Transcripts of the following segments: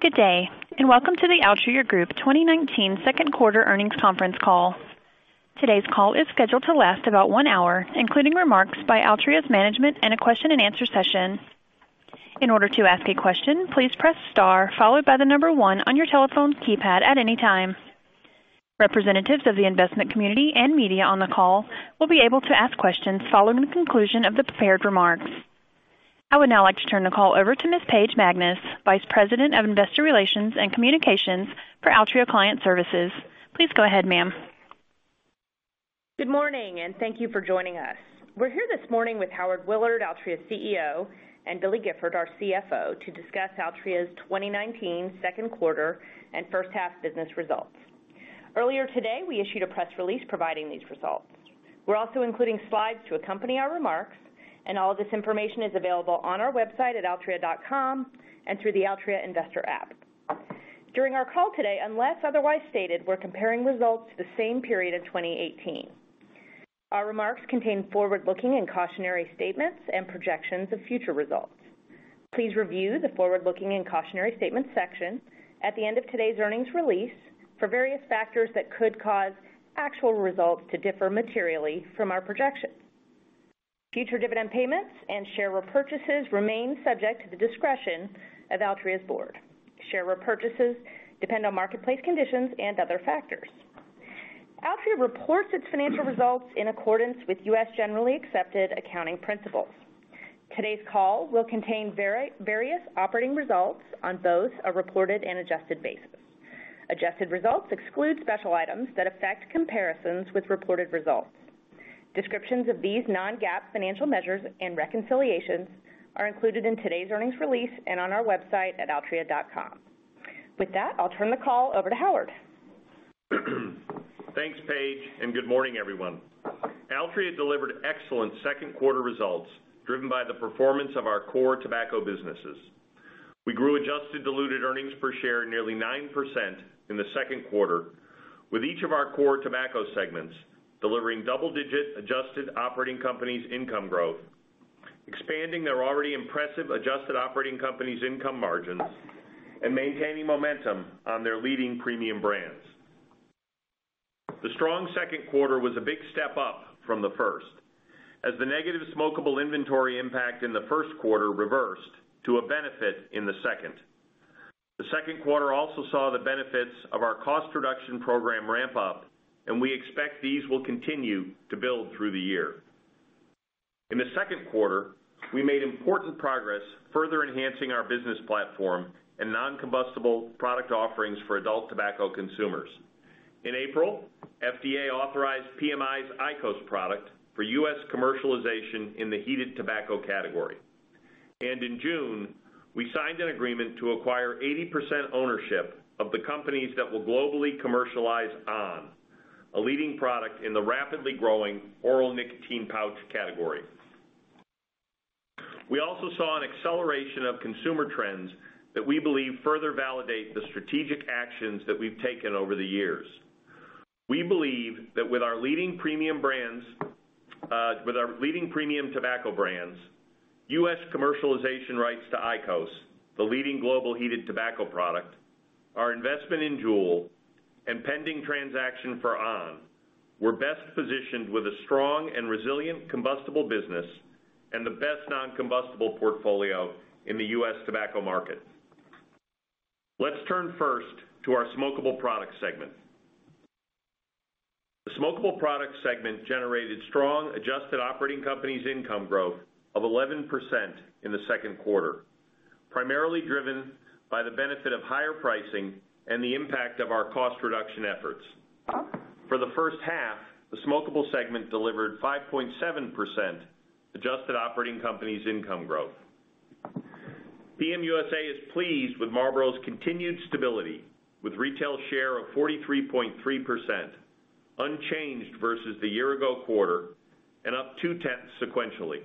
Good day, and welcome to the Altria Group 2019 second quarter earnings conference call. Today's call is scheduled to last about one hour, including remarks by Altria's management and a question and answer session. In order to ask a question, please press star followed by the number one on your telephone keypad at any time. Representatives of the investment community and media on the call will be able to ask questions following the conclusion of the prepared remarks. I would now like to turn the call over to Ms. Paige Magness, Vice President of Investor Relations and Communications for Altria Client Services. Please go ahead, ma'am. Good morning, and thank you for joining us. We're here this morning with Howard Willard, Altria's CEO, and Billy Gifford, our CFO, to discuss Altria's 2019 second quarter and first half business results. Earlier today, we issued a press release providing these results. We're also including slides to accompany our remarks, and all of this information is available on our website at altria.com and through the Altria investor app. During our call today, unless otherwise stated, we're comparing results to the same period in 2018. Our remarks contain forward-looking and cautionary statements and projections of future results. Please review the forward-looking and cautionary statements section at the end of today's earnings release for various factors that could cause actual results to differ materially from our projections. Future dividend payments and share repurchases remain subject to the discretion of Altria's board. Share repurchases depend on marketplace conditions and other factors. Altria reports its financial results in accordance with U.S. generally accepted accounting principles. Today's call will contain various operating results on both a reported and adjusted basis. Adjusted results exclude special items that affect comparisons with reported results. Descriptions of these non-GAAP financial measures and reconciliations are included in today's earnings release and on our website at altria.com. With that, I'll turn the call over to Howard. Thanks, Paige, and good morning, everyone. Altria delivered excellent second quarter results, driven by the performance of our core tobacco businesses. We grew adjusted diluted earnings per share nearly 9% in the second quarter with each of our core tobacco segments delivering double-digit adjusted operating companies income growth, expanding their already impressive adjusted operating companies income margins, and maintaining momentum on their leading premium brands. The strong second quarter was a big step up from the first, as the negative smokable inventory impact in the first quarter reversed to a benefit in the second. The second quarter also saw the benefits of our cost reduction program ramp up, and we expect these will continue to build through the year. In the second quarter, we made important progress, further enhancing our business platform and non-combustible product offerings for adult tobacco consumers. In April, FDA authorized PMI's IQOS product for U.S. commercialization in the heated tobacco category. In June, we signed an agreement to acquire 80% ownership of the companies that will globally commercialize on!, a leading product in the rapidly growing oral nicotine pouch category. We also saw an acceleration of consumer trends that we believe further validate the strategic actions that we've taken over the years. We believe that with our leading premium tobacco brands, U.S. commercialization rights to IQOS, the leading global heated tobacco product, our investment in JUUL, and pending transaction for on!, we're best positioned with a strong and resilient combustible business and the best non-combustible portfolio in the U.S. tobacco market. Let's turn first to our smokable product segment. The smokable product segment generated strong adjusted operating companies income growth of 11% in the second quarter, primarily driven by the benefit of higher pricing and the impact of our cost reduction efforts. For the first half, the smokable segment delivered 5.7% adjusted operating companies income growth. PM USA is pleased with Marlboro's continued stability, with retail share of 43.3%, unchanged versus the year ago quarter and up two-tenths sequentially.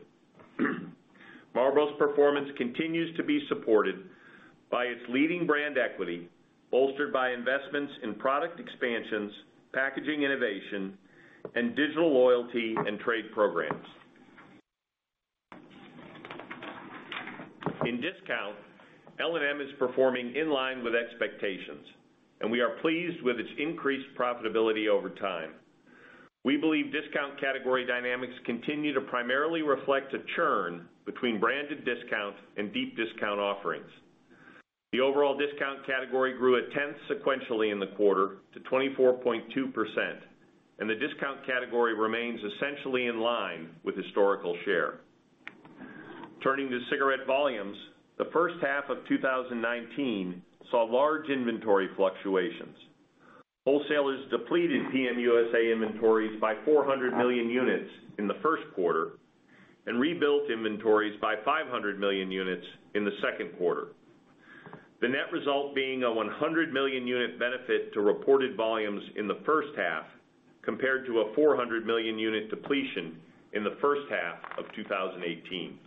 Marlboro's performance continues to be supported by its leading brand equity, bolstered by investments in product expansions, packaging innovation, and digital loyalty and trade programs. In discount, L&M is performing in line with expectations, and we are pleased with its increased profitability over time. We believe discount category dynamics continue to primarily reflect a churn between branded discounts and deep discount offerings. The overall discount category grew a tenth sequentially in the quarter to 24.2%, and the discount category remains essentially in line with historical share. Turning to cigarette volumes, the first half of 2019 saw large inventory fluctuations. Wholesalers depleted PM USA inventories by 400 million units in the first quarter and rebuilt inventories by 500 million units in the second quarter. The net result being a 100 million unit benefit to reported volumes in the first half, compared to a 400 million unit depletion in the first half of 2018.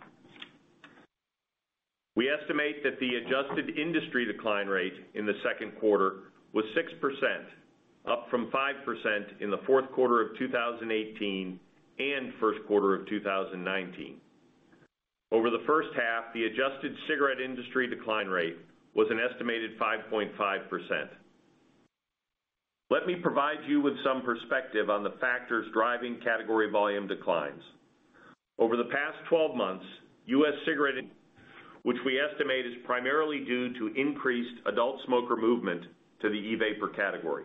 We estimate that the adjusted industry decline rate in the second quarter was 6%. Up from 5% in the fourth quarter of 2018 and first quarter of 2019. Over the first half, the adjusted cigarette industry decline rate was an estimated 5.5%. Let me provide you with some perspective on the factors driving category volume declines. Over the past 12 months, U.S. cigarette, which we estimate is primarily due to increased adult smoker movement to the e-vapor category.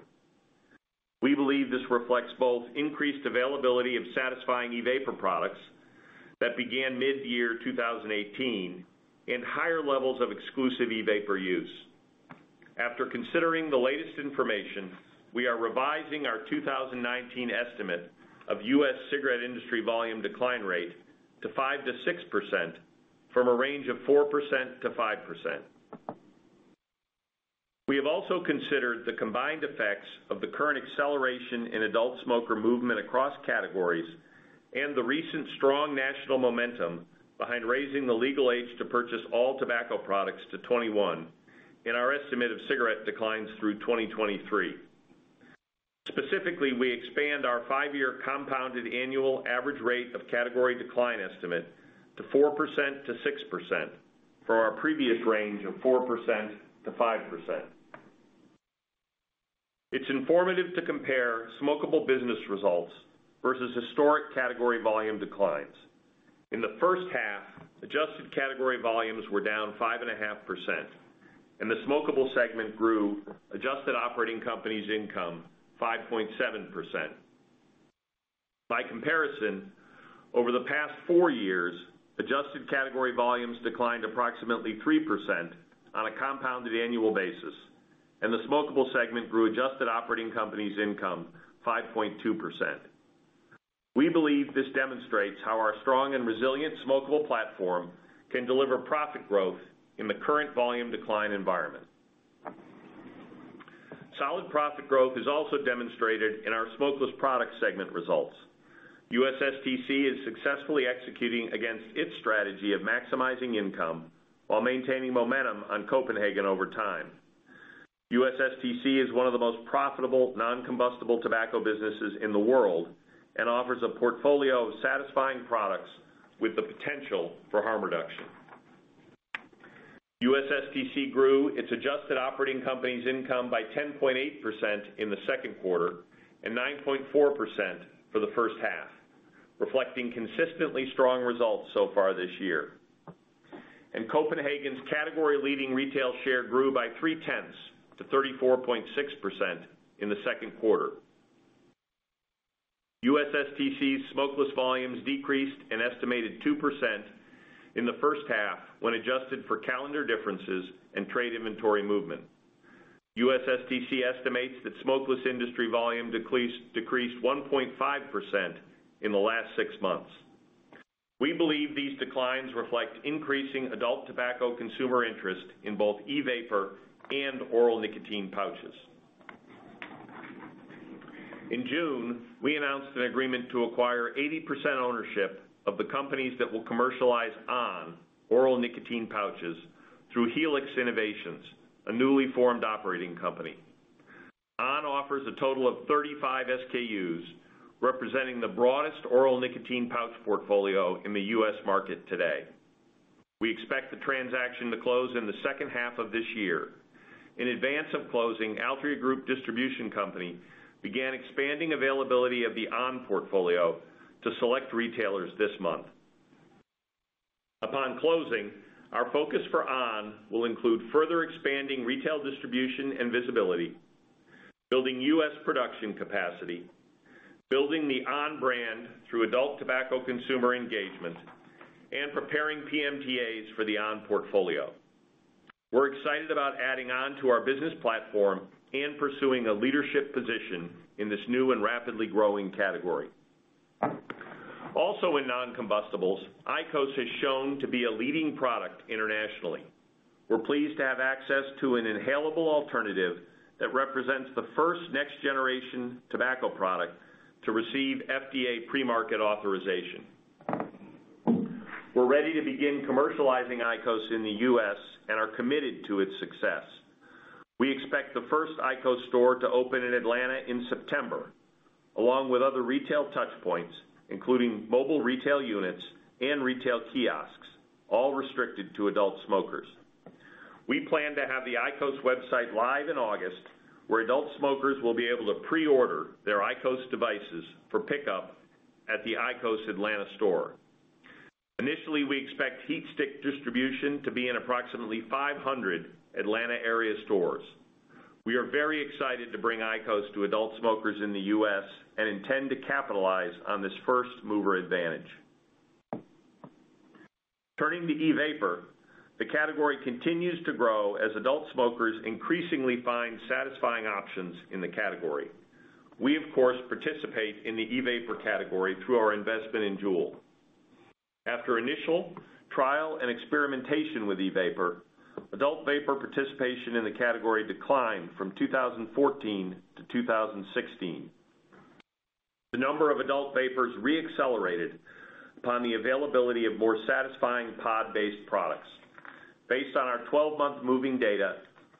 We believe this reflects both increased availability of satisfying e-vapor products that began mid-year 2018 and higher levels of exclusive e-vapor use. After considering the latest information, we are revising our 2019 estimate of U.S. cigarette industry volume decline rate to 5%-6%, from a range of 4%-5%. We have also considered the combined effects of the current acceleration in adult smoker movement across categories and the recent strong national momentum behind raising the legal age to purchase all tobacco products to 21 in our estimate of cigarette declines through 2023. Specifically, we expand our five-year compounded annual average rate of category decline estimate to 4%-6% for our previous range of 4%-5%. It's informative to compare smokable business results versus historic category volume declines. In the first half, adjusted category volumes were down 5.5%, and the smokable segment grew adjusted operating company's income 5.7%. By comparison, over the past four years, adjusted category volumes declined approximately 3% on a compounded annual basis, and the smokable segment grew adjusted operating company's income 5.2%. We believe this demonstrates how our strong and resilient smokable platform can deliver profit growth in the current volume decline environment. Solid profit growth is also demonstrated in our smokeless product segment results. USSTC is successfully executing against its strategy of maximizing income while maintaining momentum on Copenhagen over time. USSTC is one of the most profitable non-combustible tobacco businesses in the world and offers a portfolio of satisfying products with the potential for harm reduction. USSTC grew its adjusted operating company's income by 10.8% in the second quarter and 9.4% for the first half, reflecting consistently strong results so far this year. Copenhagen's category-leading retail share grew by 3/10 to 34.6% in the second quarter. USSTC's smokeless volumes decreased an estimated 2% in the first half when adjusted for calendar differences and trade inventory movement. USSTC estimates that smokeless industry volume decreased 1.5% in the last six months. We believe these declines reflect increasing adult tobacco consumer interest in both e-vapor and oral nicotine pouches. In June, we announced an agreement to acquire 80% ownership of the companies that will commercialize on!, oral nicotine pouches, through Helix Innovations, a newly formed operating company. on! offers a total of 35 SKUs, representing the broadest oral nicotine pouch portfolio in the U.S. market today. We expect the transaction to close in the second half of this year. In advance of closing, Altria Group Distribution Company began expanding availability of the on! portfolio to select retailers this month. Upon closing, our focus for on! will include further expanding retail distribution and visibility, building U.S. production capacity, building the on! brand through adult tobacco consumer engagement, and preparing PMTAs for the on! portfolio. We're excited about adding on! to our business platform and pursuing a leadership position in this new and rapidly growing category. Also in non-combustibles, IQOS has shown to be a leading product internationally. We're pleased to have access to an inhalable alternative that represents the first next generation tobacco product to receive FDA pre-market authorization. We're ready to begin commercializing IQOS in the U.S. and are committed to its success. We expect the first IQOS store to open in Atlanta in September, along with other retail touchpoints, including mobile retail units and retail kiosks, all restricted to adult smokers. We plan to have the IQOS website live in August, where adult smokers will be able to pre-order their IQOS devices for pickup at the IQOS Atlanta store. Initially, we expect HeatStick distribution to be in approximately 500 Atlanta area stores. We are very excited to bring IQOS to adult smokers in the U.S. and intend to capitalize on this first-mover advantage. Turning to e-vapor, the category continues to grow as adult smokers increasingly find satisfying options in the category. We, of course, participate in the e-vapor category through our investment in JUUL. After initial trial and experimentation with e-vapor, adult vapor participation in the category declined from 2014 to 2016. The number of adult vapers re-accelerated upon the availability of more satisfying pod-based products. Based on our 12-month moving data,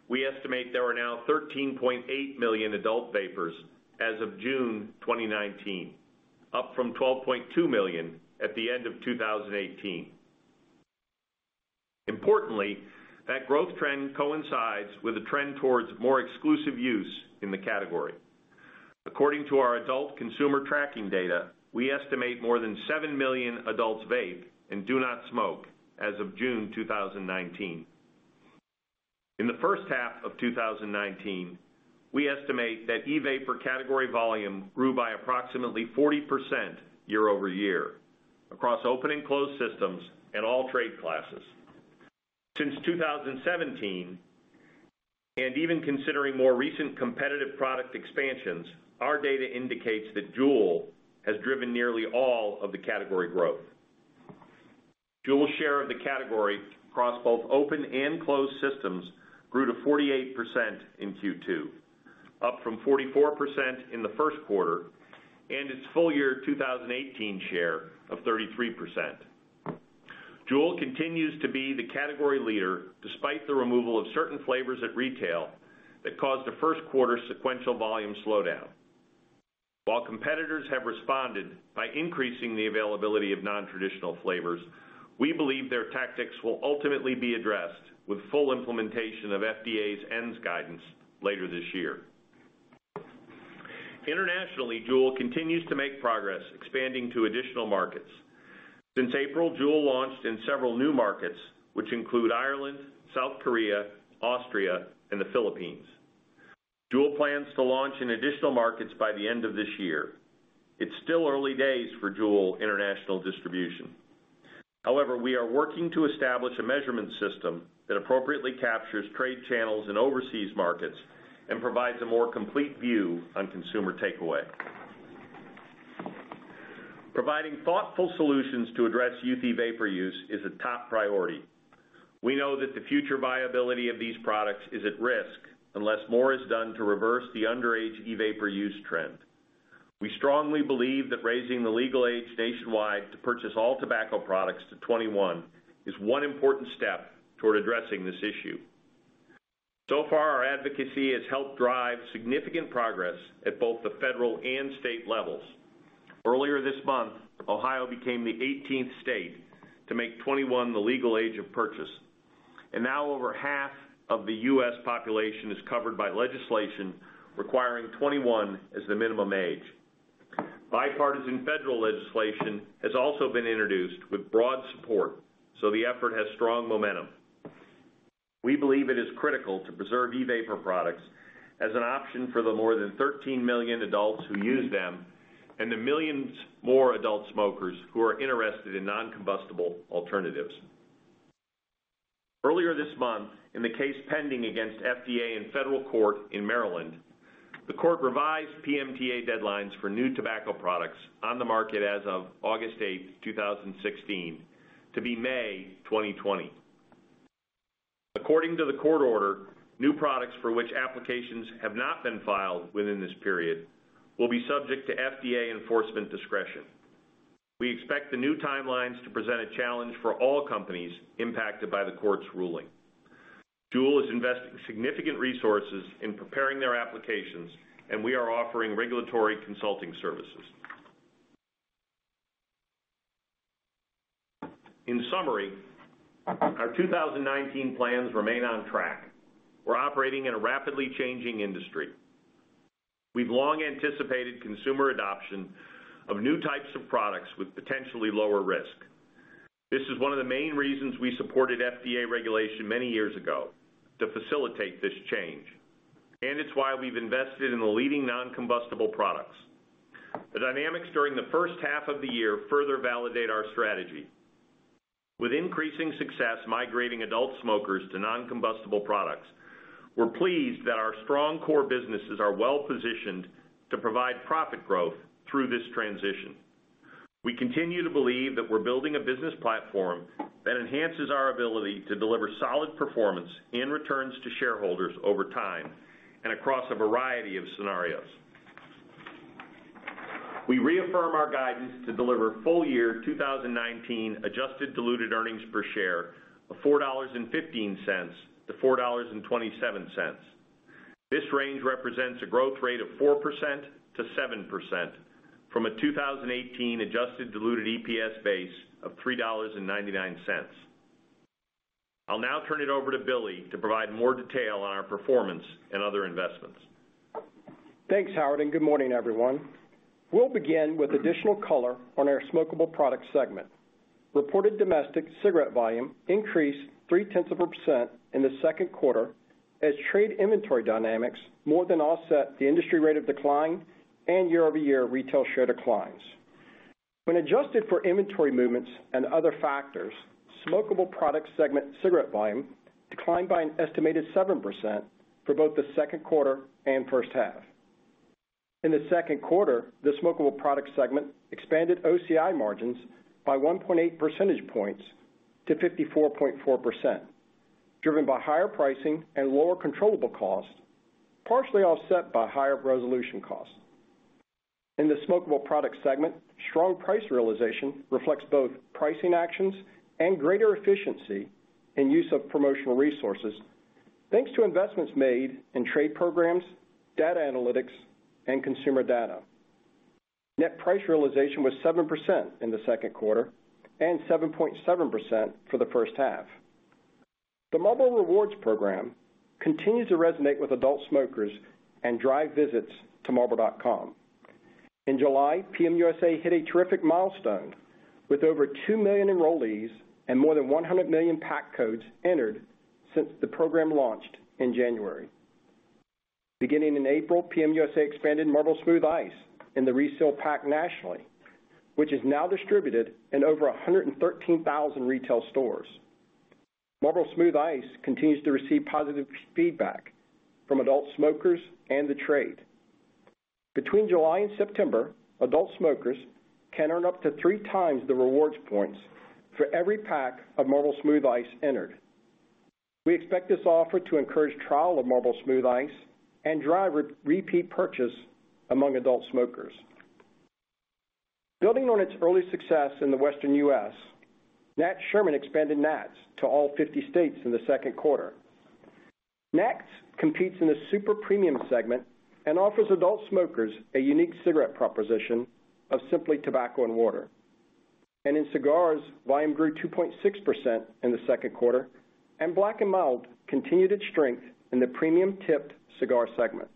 we estimate there are now 13.8 million adult vapers as of June 2019, up from 12.2 million at the end of 2018. Importantly, that growth trend coincides with a trend towards more exclusive use in the category. According to our adult consumer tracking data, we estimate more than seven million adults vape and do not smoke as of June 2019. In the first half of 2019, we estimate that e-vapor category volume grew by approximately 40% year-over-year across open and closed systems and all trade classes. Since 2017, and even considering more recent competitive product expansions, our data indicates that JUUL has driven nearly all of the category growth. JUUL share of the category across both open and closed systems grew to 48% in Q2, up from 44% in the first quarter, and its full year 2018 share of 33%. JUUL continues to be the category leader despite the removal of certain flavors at retail that caused a first quarter sequential volume slowdown. While competitors have responded by increasing the availability of non-traditional flavors, we believe their tactics will ultimately be addressed with full implementation of FDA's ENDS guidance later this year. Internationally, JUUL continues to make progress expanding to additional markets. Since April, JUUL launched in several new markets, which include Ireland, South Korea, Austria, and the Philippines. JUUL plans to launch in additional markets by the end of this year. It's still early days for JUUL international distribution. However, we are working to establish a measurement system that appropriately captures trade channels in overseas markets and provides a more complete view on consumer takeaway. Providing thoughtful solutions to address youth e-vapor use is a top priority. We know that the future viability of these products is at risk unless more is done to reverse the underage e-vapor use trend. We strongly believe that raising the legal age nationwide to purchase all tobacco products to 21 is one important step toward addressing this issue. So far our advocacy has helped drive significant progress at both the federal and state levels. Earlier this month, Ohio became the 18th state to make 21 the legal age of purchase, and now over half of the U.S. population is covered by legislation requiring 21 as the minimum age. Bipartisan federal legislation has also been introduced with broad support. The effort has strong momentum. We believe it is critical to preserve e-vapor products as an option for the more than 13 million adults who use them, and the millions more adult smokers who are interested in non-combustible alternatives. Earlier this month, in the case pending against FDA in federal court in Maryland, the court revised PMTA deadlines for new tobacco products on the market as of August 8th, 2016, to be May 2020. According to the court order, new products for which applications have not been filed within this period will be subject to FDA enforcement discretion. We expect the new timelines to present a challenge for all companies impacted by the court's ruling. JUUL is investing significant resources in preparing their applications, and we are offering regulatory consulting services. In summary, our 2019 plans remain on track. We're operating in a rapidly changing industry. We've long anticipated consumer adoption of new types of products with potentially lower risk. This is one of the main reasons we supported FDA regulation many years ago, to facilitate this change. It's why we've invested in the leading non-combustible products. The dynamics during the first half of the year further validate our strategy. With increasing success migrating adult smokers to non-combustible products, we're pleased that our strong core businesses are well positioned to provide profit growth through this transition. We continue to believe that we're building a business platform that enhances our ability to deliver solid performance and returns to shareholders over time and across a variety of scenarios. We reaffirm our guidance to deliver full year 2019 adjusted diluted earnings per share of $4.15-$4.27. This range represents a growth rate of 4%-7% from a 2018 adjusted diluted EPS base of $3.99. I'll now turn it over to Billy to provide more detail on our performance and other investments. Thanks, Howard. Good morning, everyone. We'll begin with additional color on our smokable product segment. Reported domestic cigarette volume increased 0.3% in the second quarter as trade inventory dynamics more than offset the industry rate of decline and year-over-year retail share declines. When adjusted for inventory movements and other factors, smokable product segment cigarette volume declined by an estimated 7% for both the second quarter and first half. In the second quarter, the smokable product segment expanded OCI margins by 1.8 percentage points to 54.4%, driven by higher pricing and lower controllable costs, partially offset by higher resolution costs. In the smokable product segment, strong price realization reflects both pricing actions and greater efficiency in use of promotional resources thanks to investments made in trade programs, data analytics, and consumer data. Net price realization was 7% in the second quarter and 7.7% for the first half. The Marlboro Rewards program continues to resonate with adult smokers and drive visits to marlboro.com. In July, PM USA hit a terrific milestone with over 2 million enrollees and more than 100 million pack codes entered since the program launched in January. Beginning in April, PM USA expanded Marlboro Smooth Ice in the reseal pack nationally, which is now distributed in over 113,000 retail stores. Marlboro Smooth Ice continues to receive positive feedback from adult smokers and the trade. Between July and September, adult smokers can earn up to 3x the rewards points for every pack of Marlboro Smooth Ice entered. We expect this offer to encourage trial of Marlboro Smooth Ice and drive repeat purchase among adult smokers. Building on its early success in the Western U.S., Nat Sherman expanded Nat's to all 50 states in the second quarter. Nat's competes in the super premium segment offers adult smokers a unique cigarette proposition of simply tobacco and water. In cigars, volume grew 2.6% in the second quarter, Black & Mild continued its strength in the premium tipped cigar segment.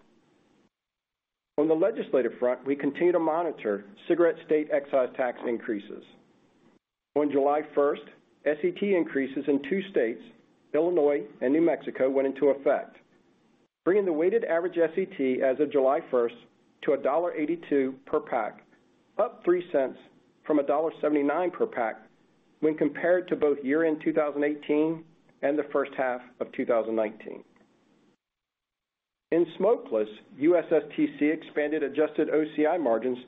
On the legislative front, we continue to monitor cigarette state excise tax increases. On July 1st, SET increases in two states, Illinois and New Mexico, went into effect, bringing the weighted average SET as of July 1st to $1.82 per pack, up $0.03 from $1.79 per pack when compared to both year-end 2018 and the first half of 2019. In smokeless, USSTC expanded adjusted OCI margins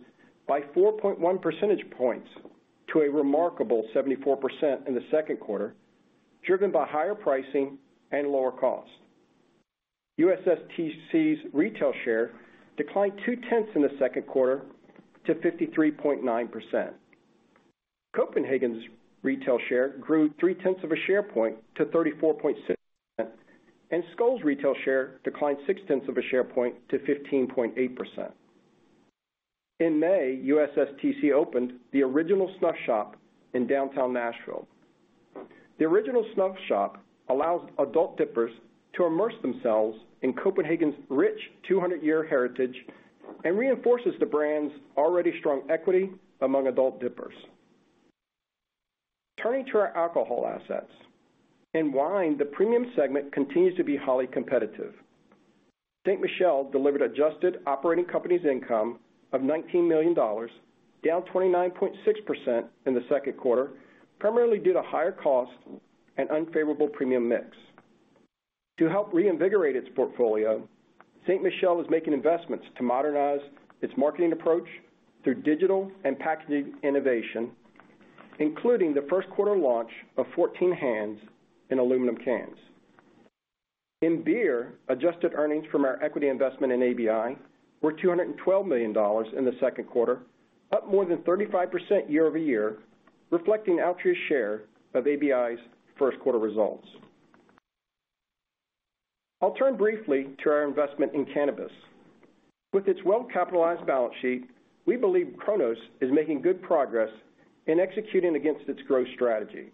by 4.1 percentage points to a remarkable 74% in the second quarter, driven by higher pricing and lower cost. USSTC's retail share declined 2/10 in the second quarter to 53.9%. Copenhagen's retail share grew 3/10 of a share point to 34.6%. Skoal's retail share declined 6/10 of a share point to 15.8%. In May, USSTC opened the original snuff shop in downtown Nashville. The original snuff shop allows adult dippers to immerse themselves in Copenhagen's rich 200-year heritage and reinforces the brand's already strong equity among adult dippers. Turning to our alcohol assets. In wine, the premium segment continues to be highly competitive. Ste. Michelle delivered adjusted operating company's income of $19 million, down 29.6% in the second quarter, primarily due to higher cost and unfavorable premium mix. To help reinvigorate its portfolio, Ste. Michelle is making investments to modernize its marketing approach through digital and packaging innovation, including the first quarter launch of 14 Hands in aluminum cans. In beer, adjusted earnings from our equity investment in ABI were $212 million in the second quarter, up more than 35% year-over-year, reflecting Altria's share of ABI's first quarter results. I'll turn briefly to our investment in cannabis. With its well-capitalized balance sheet, we believe Cronos is making good progress in executing against its growth strategy.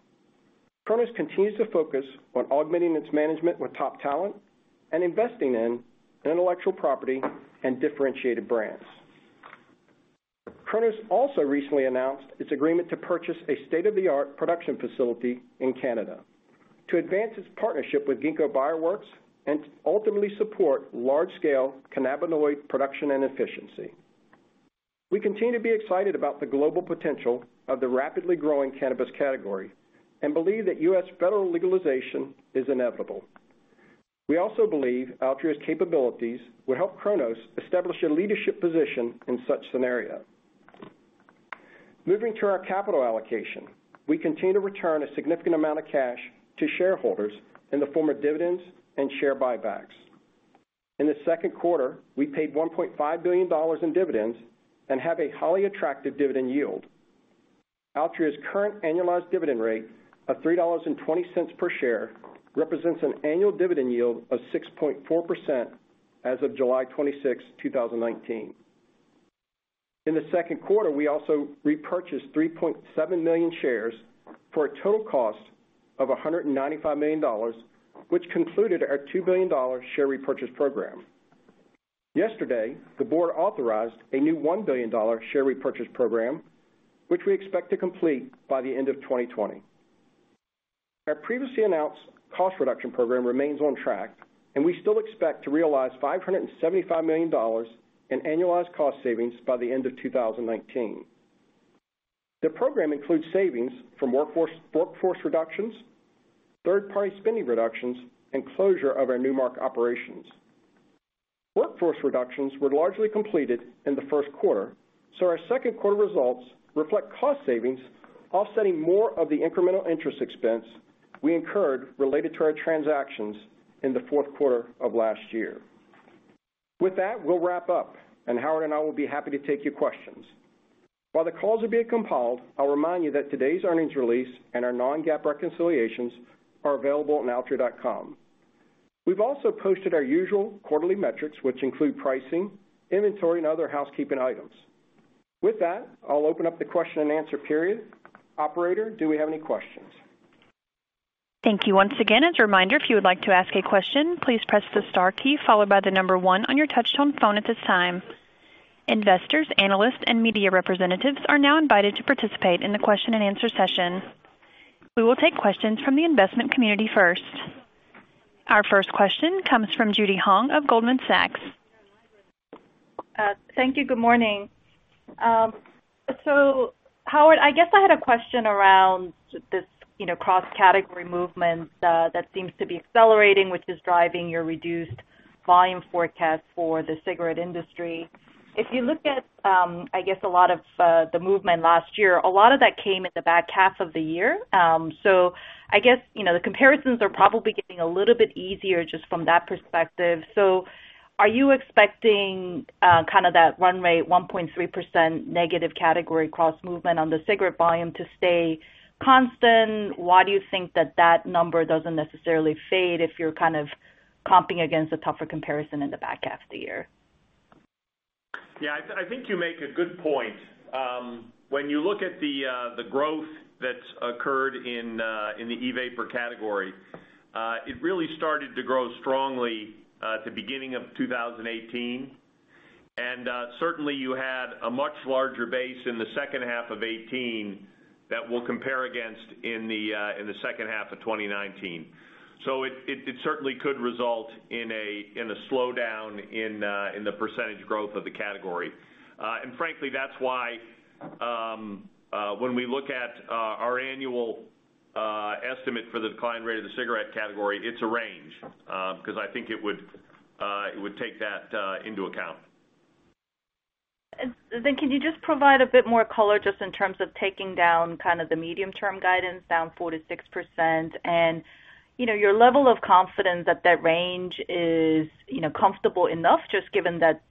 Cronos continues to focus on augmenting its management with top talent and investing in intellectual property and differentiated brands. Cronos also recently announced its agreement to purchase a state-of-the-art production facility in Canada to advance its partnership with Ginkgo Bioworks and ultimately support large-scale cannabinoid production and efficiency. We continue to be excited about the global potential of the rapidly growing cannabis category and believe that U.S. federal legalization is inevitable. We also believe Altria's capabilities will help Cronos establish a leadership position in such scenario. Moving to our capital allocation. We continue to return a significant amount of cash to shareholders in the form of dividends and share buybacks. In the second quarter, we paid $1.5 billion in dividends and have a highly attractive dividend yield. Altria's current annualized dividend rate of $3.20 per share represents an annual dividend yield of 6.4% as of July 26, 2019. In the second quarter, we also repurchased 3.7 million shares for a total cost of $195 million, which concluded our $2 billion share repurchase program. Yesterday, the board authorized a new $1 billion share repurchase program, which we expect to complete by the end of 2020. Our previously announced cost reduction program remains on track, and we still expect to realize $575 million in annualized cost savings by the end of 2019. The program includes savings from workforce reductions, third-party spending reductions, and closure of our Nu Mark operations. Workforce reductions were largely completed in the first quarter, our second quarter results reflect cost savings offsetting more of the incremental interest expense we incurred related to our transactions in the fourth quarter of last year. With that, we'll wrap up, and Howard and I will be happy to take your questions. While the calls are being compiled, I'll remind you that today's earnings release and our non-GAAP reconciliations are available on altria.com. We've also posted our usual quarterly metrics, which include pricing, inventory, and other housekeeping items. With that, I'll open up the question and answer period. Operator, do we have any questions? Thank you once again. As a reminder, if you would like to ask a question, please press the star key followed by the number one on your touch-tone phone at this time. Investors, analysts, and media representatives are now invited to participate in the question and answer session. We will take questions from the investment community first. Our first question comes from Judy Hong of Goldman Sachs. Thank you. Good morning. Howard, I guess I had a question around this cross-category movement that seems to be accelerating, which is driving your reduced volume forecast for the cigarette industry. If you look at a lot of the movement last year, a lot of that came in the back half of the year. I guess, the comparisons are probably getting a little bit easier just from that perspective. Are you expecting that run rate 1.3% negative category cross movement on the cigarette volume to stay constant? Why do you think that that number doesn't necessarily fade if you're comping against a tougher comparison in the back half of the year? Yeah, I think you make a good point. When you look at the growth that's occurred in the e-vapor category, it really started to grow strongly at the beginning of 2018. Certainly you had a much larger base in the second half of 2018 that we'll compare against in the second half of 2019. It certainly could result in a slowdown in the percentage growth of the category. Frankly, that's why when we look at our annual estimate for the decline rate of the cigarette category, it's a range, because I think it would take that into account. Can you just provide a bit more color just in terms of taking down the medium term guidance down 4%-6% and your level of confidence that that range is comfortable enough just given that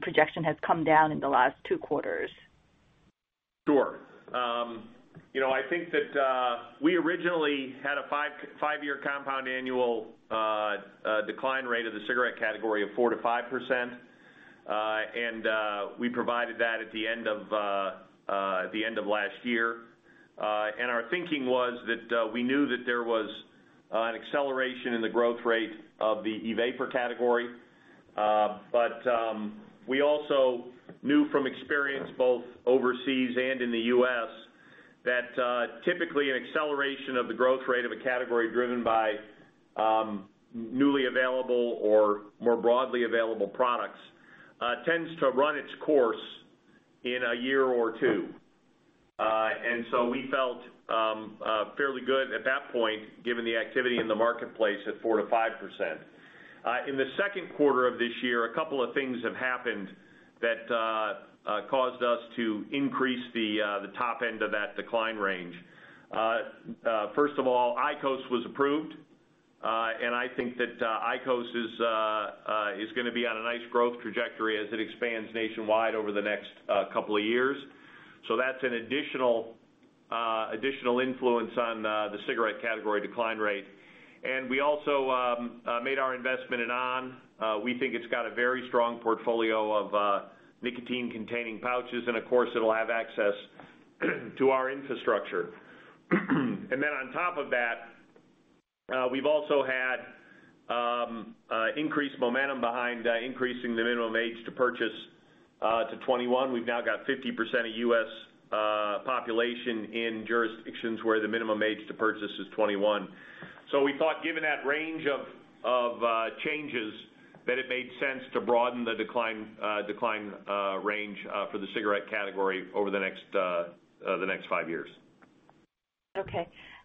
projection has come down in the last two quarters? Sure. I think that we originally had a five year compound annual decline rate of the cigarette category of 4%-5%, we provided that at the end of last year. Our thinking was that we knew that there was an acceleration in the growth rate of the e-vapor category. We also knew from experience, both overseas and in the U.S., that typically an acceleration of the growth rate of a category driven by newly available or more broadly available products tends to run its course in a year or two. We felt fairly good at that point, given the activity in the marketplace at 4%-5%. In the second quarter of this year, a couple of things have happened that caused us to increase the top end of that decline range. First of all, IQOS was approved. I think that IQOS is going to be on a nice growth trajectory as it expands nationwide over the next couple of years. That's an additional influence on the cigarette category decline rate. We also made our investment in on!. We think it's got a very strong portfolio of nicotine-containing pouches, and of course, it'll have access to our infrastructure. On top of that, we've also had increased momentum behind increasing the minimum age to purchase to 21. We've now got 50% of U.S. population in jurisdictions where the minimum age to purchase is 21. We thought given that range of changes, that it made sense to broaden the decline range for the cigarette category over the next five years.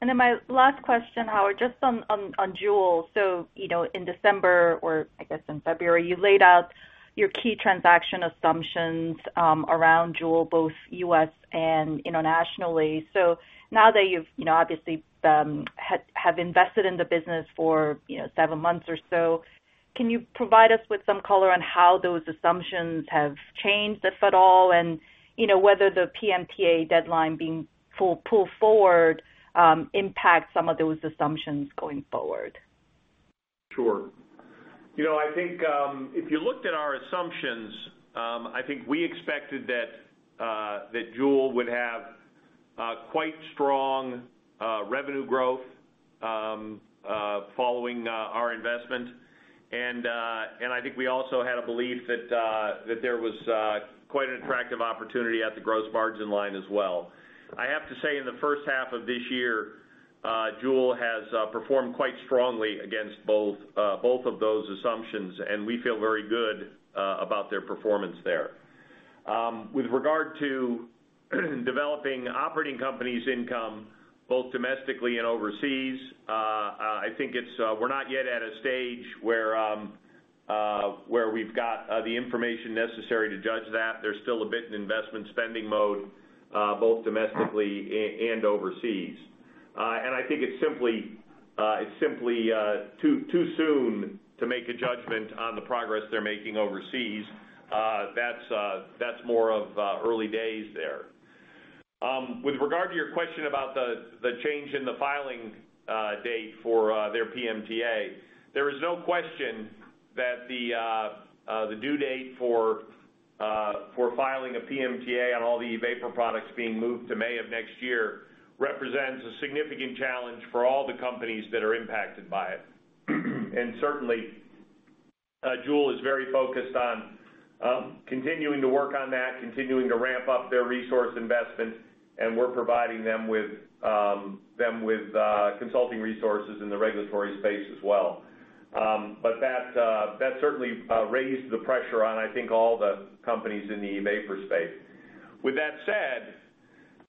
Okay. My last question, Howard, just on JUUL. In December, or I guess in February, you laid out your key transaction assumptions around JUUL, both U.S. and internationally. Now that you've obviously have invested in the business for seven months or so, can you provide us with some color on how those assumptions have changed, if at all, and whether the PMTA deadline being pulled forward impacts some of those assumptions going forward? Sure. I think if you looked at our assumptions, I think we expected that JUUL would have quite strong revenue growth following our investment. I think we also had a belief that there was quite an attractive opportunity at the gross margin line as well. I have to say, in the first half of this year, JUUL has performed quite strongly against both of those assumptions, and we feel very good about their performance there. With regard to developing operating companies income both domestically and overseas, I think we're not yet at a stage where we've got the information necessary to judge that. There's still a bit investment spending mode, both domestically and overseas. I think it's simply too soon to make a judgment on the progress they're making overseas. That's more of early days there. With regard to your question about the change in the filing date for their PMTA, there is no question that the due date for filing a PMTA on all the e-vapor products being moved to May of next year represents a significant challenge for all the companies that are impacted by it. Certainly, JUUL is very focused on continuing to work on that, continuing to ramp up their resource investment, and we're providing them with consulting resources in the regulatory space as well. That certainly raised the pressure on, I think all the companies in the e-vapor space. With that said,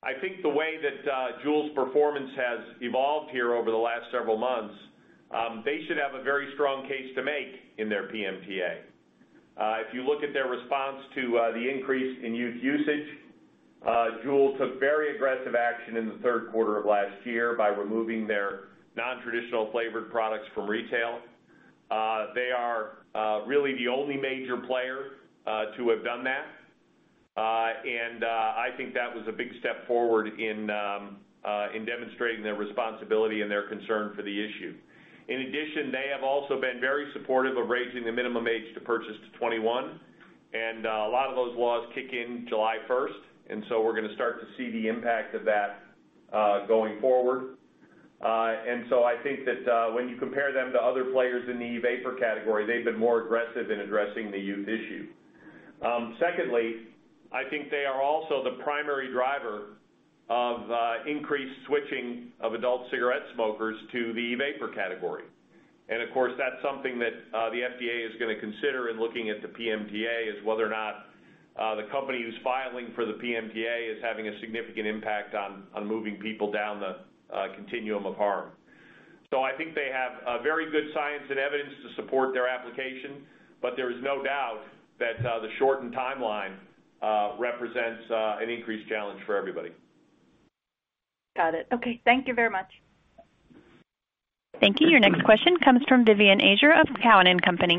I think the way that JUUL's performance has evolved here over the last several months, they should have a very strong case to make in their PMTA. If you look at their response to the increase in youth usage, JUUL took very aggressive action in the third quarter of last year by removing their non-traditional flavored products from retail. They are really the only major player to have done that. I think that was a big step forward in demonstrating their responsibility and their concern for the issue. In addition, they have also been very supportive of raising the minimum age to purchase to 21, and a lot of those laws kick in July 1st, we're going to start to see the impact of that going forward. I think that when you compare them to other players in the e-vapor category, they've been more aggressive in addressing the youth issue. Secondly, I think they are also the primary driver of increased switching of adult cigarette smokers to the e-vapor category. Of course, that's something that the FDA is going to consider in looking at the PMTA, is whether or not the company who's filing for the PMTA is having a significant impact on moving people down the continuum of harm. I think they have a very good science and evidence to support their application, but there is no doubt that the shortened timeline represents an increased challenge for everybody. Got it. Okay. Thank you very much. Thank you. Your next question comes from Vivien Azer of Cowen and Company.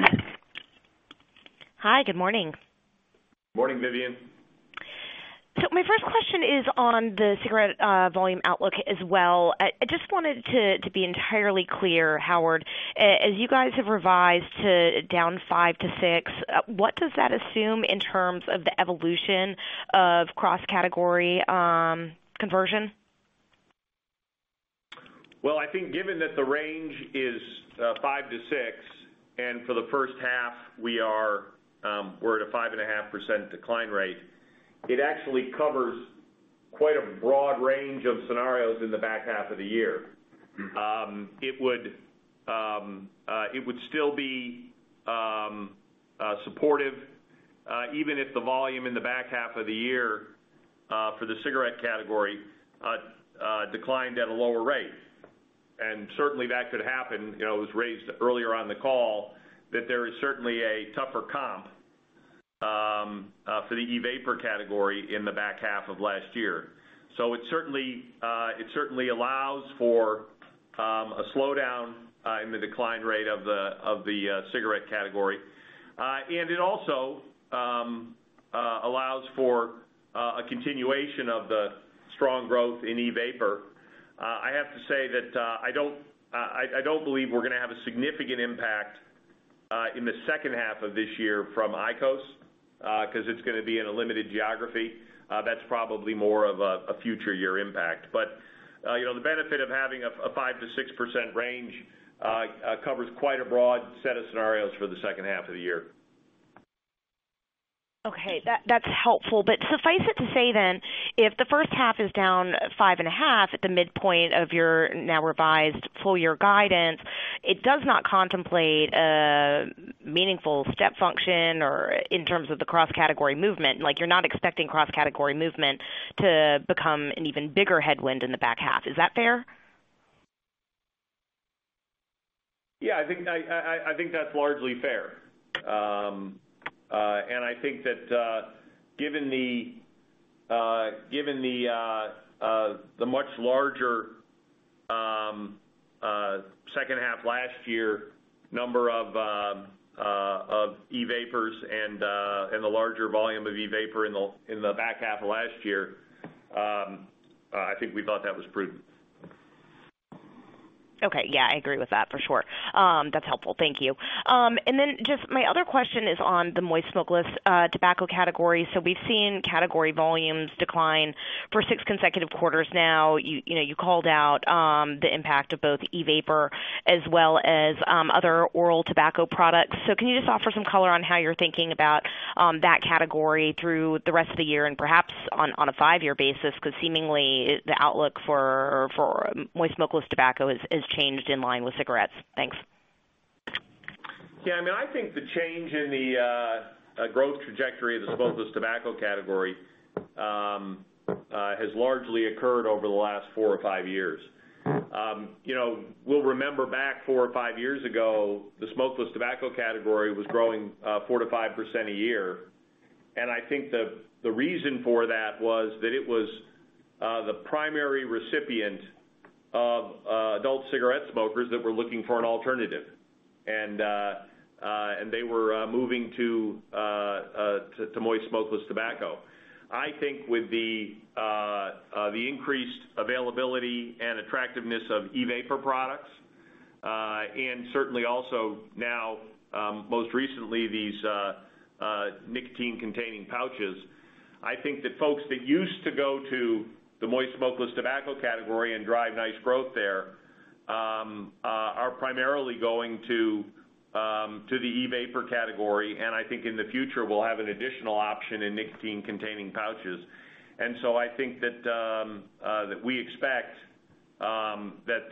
Hi. Good morning. Morning, Vivien. My first question is on the cigarette volume outlook as well. I just wanted to be entirely clear, Howard, as you guys have revised to down 5%-6%, what does that assume in terms of the evolution of cross-category conversion? I think given that the range is 5%-6%, and for the first half we're at a 5.5% decline rate, it actually covers quite a broad range of scenarios in the back half of the year. It would still be supportive even if the volume in the back half of the year for the cigarette category declined at a lower rate. Certainly, that could happen. It was raised earlier on the call that there is certainly a tougher comp for the e-vapor category in the back half of last year. It certainly allows for a slowdown in the decline rate of the cigarette category. It also allows for a continuation of the strong growth in e-vapor. I have to say that I don't believe we're going to have a significant impact in the second half of this year from IQOS, because it's going to be in a limited geography. That's probably more of a future year impact. The benefit of having a 5%-6% range covers quite a broad set of scenarios for the second half of the year. Okay. That's helpful. Suffice it to say, if the first half is down 5.5%, at the midpoint of your now revised full-year guidance, it does not contemplate a meaningful step function or in terms of the cross-category movement. You're not expecting cross-category movement to become an even bigger headwind in the back half. Is that fair? Yeah, I think that's largely fair. I think that given the much larger second half last year number of e-vapors and the larger volume of e-vapor in the back half of last year, I think we thought that was prudent. Okay. Yeah, I agree with that for sure. That's helpful, thank you. Just my other question is on the moist smokeless tobacco category. We've seen category volumes decline for six consecutive quarters now. You called out the impact of both e-vapor as well as other oral tobacco products. Can you just offer some color on how you're thinking about that category through the rest of the year and perhaps on a five-year basis, because seemingly, the outlook for moist smokeless tobacco has changed in line with cigarettes. Thanks. Yeah, I think the change in the growth trajectory of the smokeless tobacco category has largely occurred over the last four or five years. We'll remember back four or five years ago, the smokeless tobacco category was growing 4%-5% a year. I think the reason for that was that it was the primary recipient of adult cigarette smokers that were looking for an alternative, and they were moving to moist smokeless tobacco. I think with the increased availability and attractiveness of e-vapor products, and certainly also now most recently these nicotine-containing pouches, I think that folks that used to go to the moist smokeless tobacco category and drive nice growth there are primarily going to the e-vapor category. I think in the future, we'll have an additional option in nicotine-containing pouches. I think that we expect that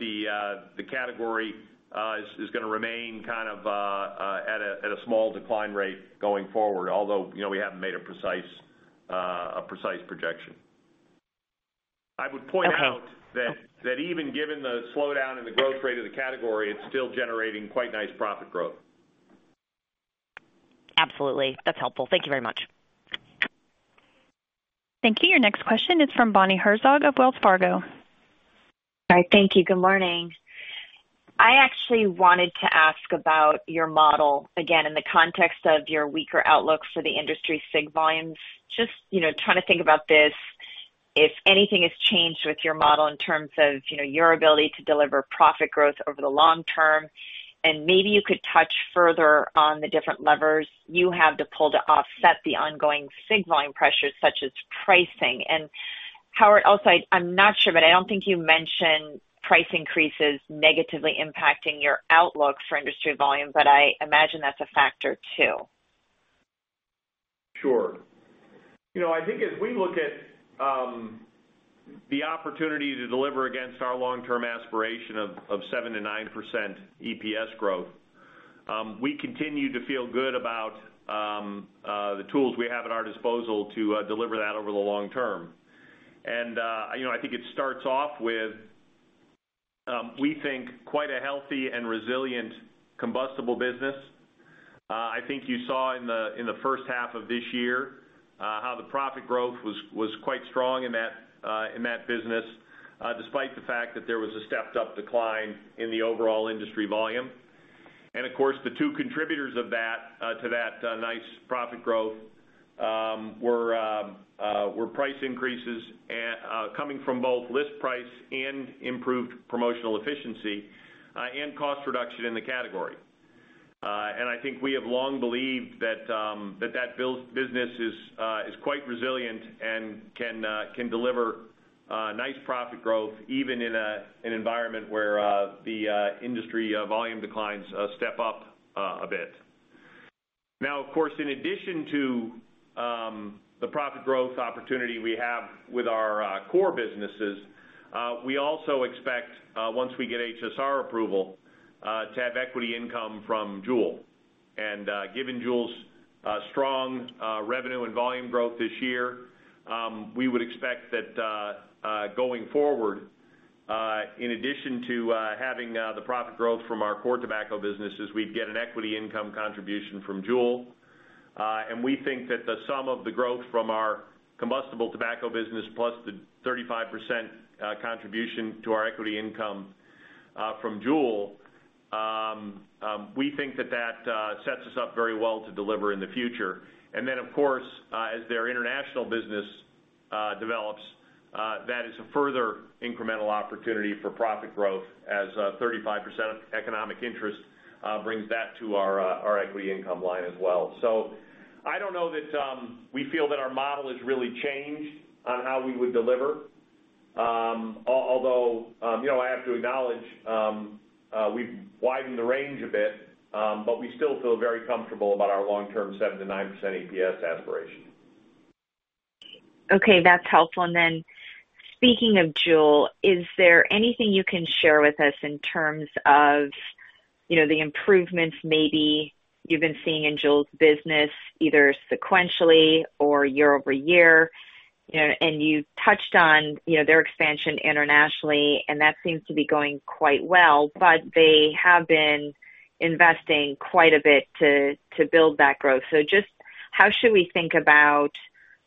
the category is going to remain at a small decline rate going forward, although we haven't made a precise projection. I would point out that even given the slowdown in the growth rate of the category, it's still generating quite nice profit growth. Absolutely. That's helpful. Thank you very much. Thank you. Your next question is from Bonnie Herzog of Wells Fargo. All right. Thank you. Good morning. I actually wanted to ask about your model again in the context of your weaker outlook for the industry cig volumes. Just trying to think about this, if anything has changed with your model in terms of your ability to deliver profit growth over the long term. Maybe you could touch further on the different levers you have to pull to offset the ongoing cig volume pressures, such as pricing. Howard, also, I'm not sure, but I don't think you mentioned price increases negatively impacting your outlook for industry volume, but I imagine that's a factor too. Sure. I think as we look at the opportunity to deliver against our long-term aspiration of 7%-9% EPS growth, we continue to feel good about the tools we have at our disposal to deliver that over the long term. I think it starts off with, we think, quite a healthy and resilient combustible business. I think you saw in the first half of this year how the profit growth was quite strong in that business despite the fact that there was a stepped-up decline in the overall industry volume. Of course, the two contributors to that nice profit growth were price increases coming from both list price and improved promotional efficiency and cost reduction in the category. I think we have long believed that that business is quite resilient and can deliver nice profit growth even in an environment where the industry volume declines step up a bit. Of course, in addition to the profit growth opportunity we have with our core businesses, we also expect, once we get HSR approval, to have equity income from JUUL. Given JUUL's strong revenue and volume growth this year, we would expect that going forward, in addition to having the profit growth from our core tobacco businesses, we'd get an equity income contribution from JUUL. We think that the sum of the growth from our combustible tobacco business plus the 35% contribution to our equity income from JUUL, we think that that sets us up very well to delever in the future. Of course, as their international business develops, that is a further incremental opportunity for profit growth as 35% of economic interest brings that to our equity income line as well. I don't know that we feel that our model has really changed on how we would delever, although, I have to acknowledge, we've widened the range a bit, but we still feel very comfortable about our long-term 7%-9% EPS aspiration. Okay, that's helpful. Then speaking of JUUL, is there anything you can share with us in terms of the improvements maybe you've been seeing in JUUL's business, either sequentially or year-over-year? You touched on their expansion internationally, and that seems to be going quite well, but they have been investing quite a bit to build that growth. Just how should we think about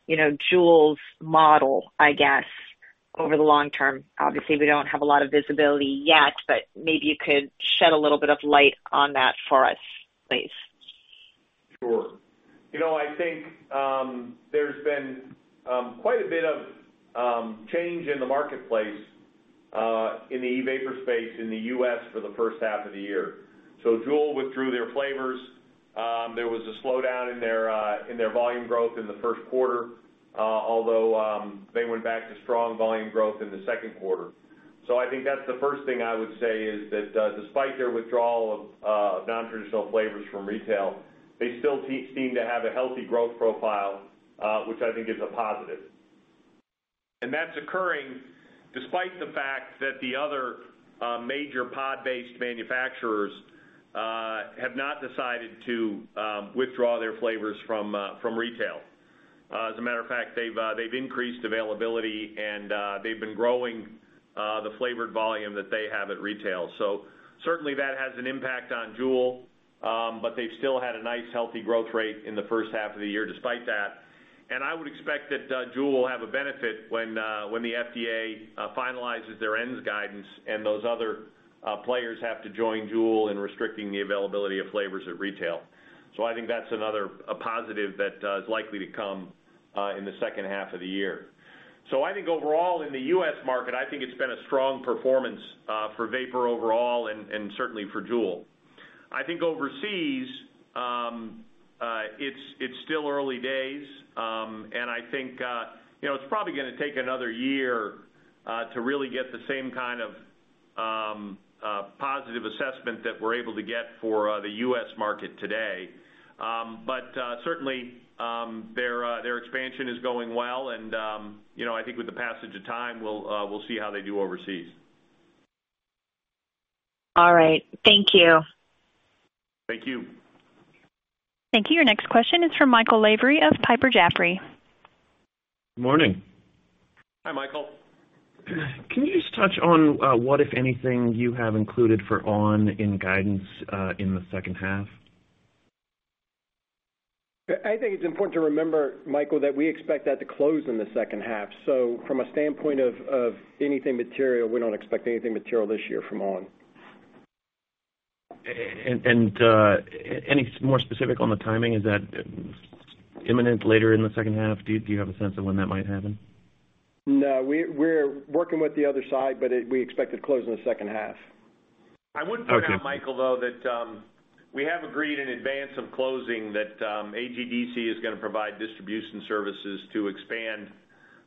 JUUL's model, I guess, over the long term? Obviously, we don't have a lot of visibility yet, but maybe you could shed a little bit of light on that for us, please. Sure. I think there's been quite a bit of change in the marketplace in the e-vapor space in the U.S. for the first half of the year. JUUL withdrew their flavors. There was a slowdown in their volume growth in the first quarter, although they went back to strong volume growth in the second quarter. I think that's the first thing I would say is that despite their withdrawal of non-traditional flavors from retail, they still seem to have a healthy growth profile, which I think is a positive. That's occurring despite the fact that the other major pod-based manufacturers have not decided to withdraw their flavors from retail. As a matter of fact, they've increased availability, and they've been growing the flavored volume that they have at retail. Certainly that has an impact on JUUL, but they've still had a nice, healthy growth rate in the first half of the year despite that. I would expect that JUUL will have a benefit when the FDA finalizes their ENDS guidance, and those other players have to join JUUL in restricting the availability of flavors at retail. I think that's another positive that is likely to come in the second half of the year. I think overall in the U.S. market, I think it's been a strong performance for vapor overall and certainly for JUUL. I think overseas, it's still early days, and I think it's probably going to take another year to really get the same kind of positive assessment that we're able to get for the U.S. market today. Certainly, their expansion is going well and I think with the passage of time, we'll see how they do overseas. All right. Thank you. Thank you. Thank you. Your next question is from Michael Lavery of Piper Jaffray. Morning. Hi, Michael. Can you just touch on what, if anything, you have included for on! in guidance, in the second half? I think it's important to remember, Michael, that we expect that to close in the second half. From a standpoint of anything material, we don't expect anything material this year from on!. Any more specific on the timing? Is that imminent later in the second half? Do you have a sense of when that might happen? No, we're working with the other side, but we expect it closed in the second half. Okay. I would point out, Michael, though, that we have agreed in advance of closing that AGDC is going to provide distribution services to expand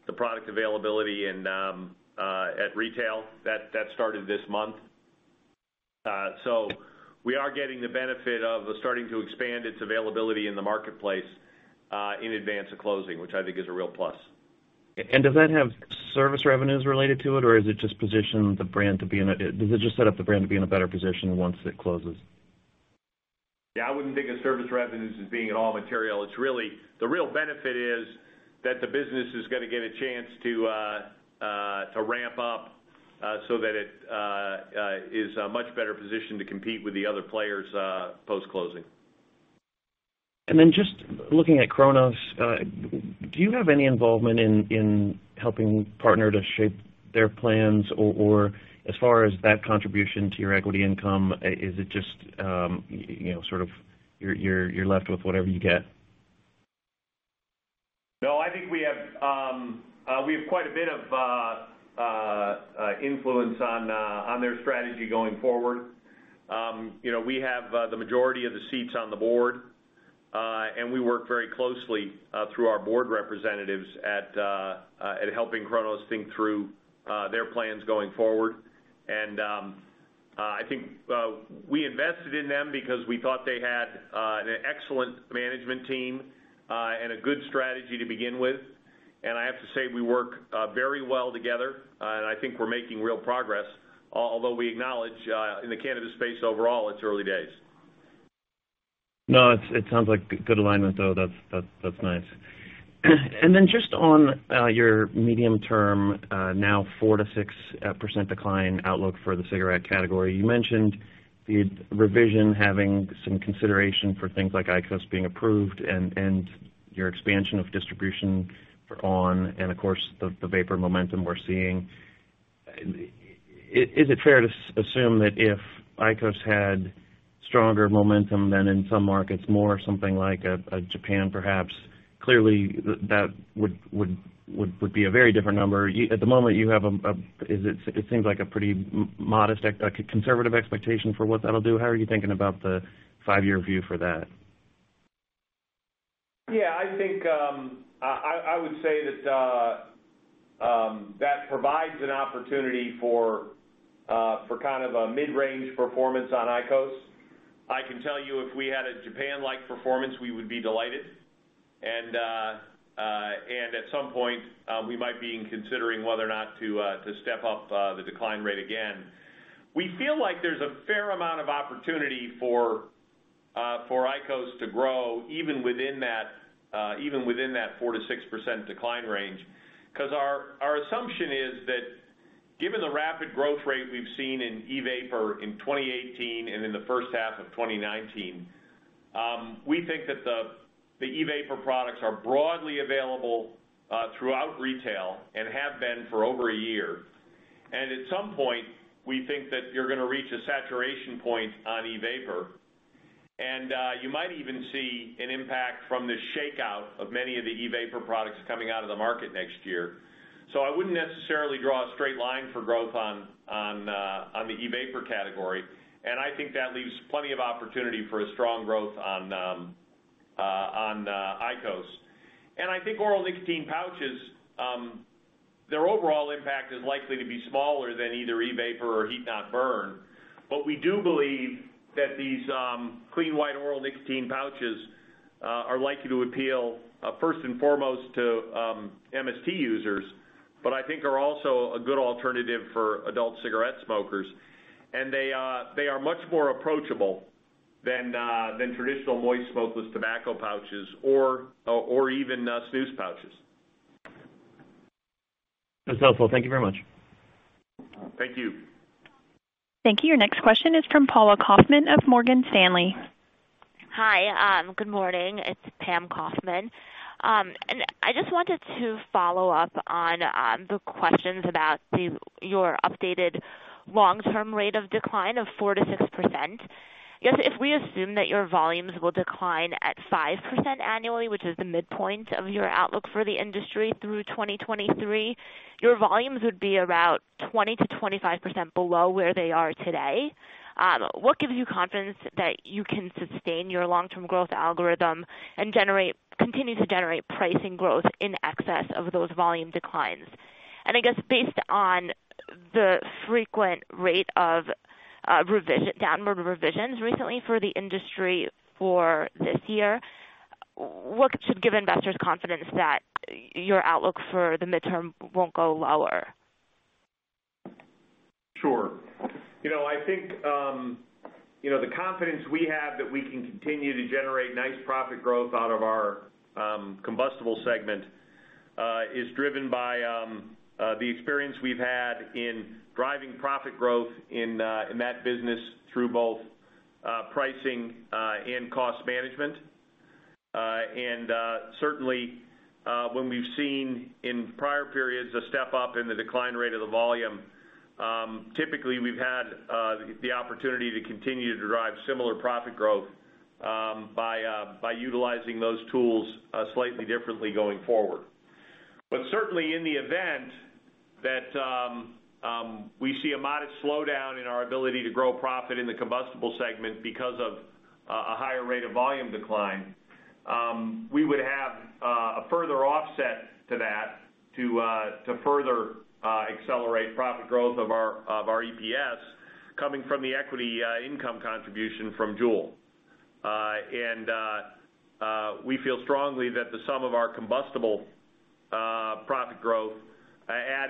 the product availability at retail. That started this month. We are getting the benefit of starting to expand its availability in the marketplace, in advance of closing, which I think is a real plus. Does that have service revenues related to it, or is it just position of the brand to be in a, does it just set up the brand to be in a better position once it closes? I wouldn't think of service revenues as being at all material. The real benefit is that the business is going to get a chance to ramp up, so that it is much better positioned to compete with the other players post-closing. Just looking at Cronos, do you have any involvement in helping partner to shape their plans or, as far as that contribution to your equity income, is it just you're left with whatever you get? No, I think we have quite a bit of influence on their strategy going forward. We have the majority of the seats on the board. We work very closely through our board representatives at helping Cronos think through their plans going forward. I think we invested in them because we thought they had an excellent management team, and a good strategy to begin with. I have to say, we work very well together, and I think we're making real progress, although we acknowledge, in the cannabis space overall, it's early days. No, it sounds like good alignment, though. That's nice. Just on your medium term, now 4%-6% decline outlook for the cigarette category. You mentioned the revision having some consideration for things like IQOS being approved and your expansion of distribution for on!, and of course, the vapor momentum we're seeing. Is it fair to assume that if IQOS had stronger momentum than in some markets, more something like a Japan, perhaps, clearly that would be a very different number. At the moment, it seems like a pretty modest, conservative expectation for what that'll do. How are you thinking about the five-year view for that? Yeah, I would say that that provides an opportunity for a mid-range performance on IQOS. I can tell you if we had a Japan-like performance, we would be delighted. At some point, we might be considering whether or not to step up the decline rate again. We feel like there's a fair amount of opportunity for IQOS to grow even within that 4%-6% decline range, because our assumption is that given the rapid growth rate we've seen in e-vapor in 2018 and in the first half of 2019, we think that the e-vapor products are broadly available throughout retail and have been for over a year. At some point, we think that you're going to reach a saturation point on e-vapor. You might even see an impact from the shakeout of many of the e-vapor products coming out of the market next year. I wouldn't necessarily draw a straight line for growth on the e-vapor category, and I think that leaves plenty of opportunity for a strong growth on IQOS. I think oral nicotine pouches are likely to be smaller than either e-vapor or heat-not-burn. We do believe that these clean white oral nicotine pouches are likely to appeal first and foremost to MST users, but I think are also a good alternative for adult cigarette smokers. They are much more approachable than traditional moist smokeless tobacco pouches or even snus pouches. That's helpful. Thank you very much. Thank you. Thank you. Your next question is from Paula Kaufman of Morgan Stanley. Hi, good morning. It's Pam Kaufman. I just wanted to follow up on the questions about your updated long-term rate of decline of 4%-6%. I guess if we assume that your volumes will decline at 5% annually, which is the midpoint of your outlook for the industry through 2023, your volumes would be about 20%-25% below where they are today. What gives you confidence that you can sustain your long-term growth algorithm and continue to generate pricing growth in excess of those volume declines? I guess based on the frequent rate of downward revisions recently for the industry for this year, what should give investors confidence that your outlook for the midterm won't go lower? Sure. I think, the confidence we have that we can continue to generate nice profit growth out of our combustible segment, is driven by the experience we've had in driving profit growth in that business through both pricing and cost management. Certainly, when we've seen in prior periods a step up in the decline rate of the volume, typically we've had the opportunity to continue to derive similar profit growth by utilizing those tools slightly differently going forward. Certainly in the event that we see a modest slowdown in our ability to grow profit in the combustible segment because of a higher rate of volume decline, we would have a further offset to that to further accelerate profit growth of our EPS coming from the equity income contribution from JUUL. We feel strongly that the sum of our combustible profit growth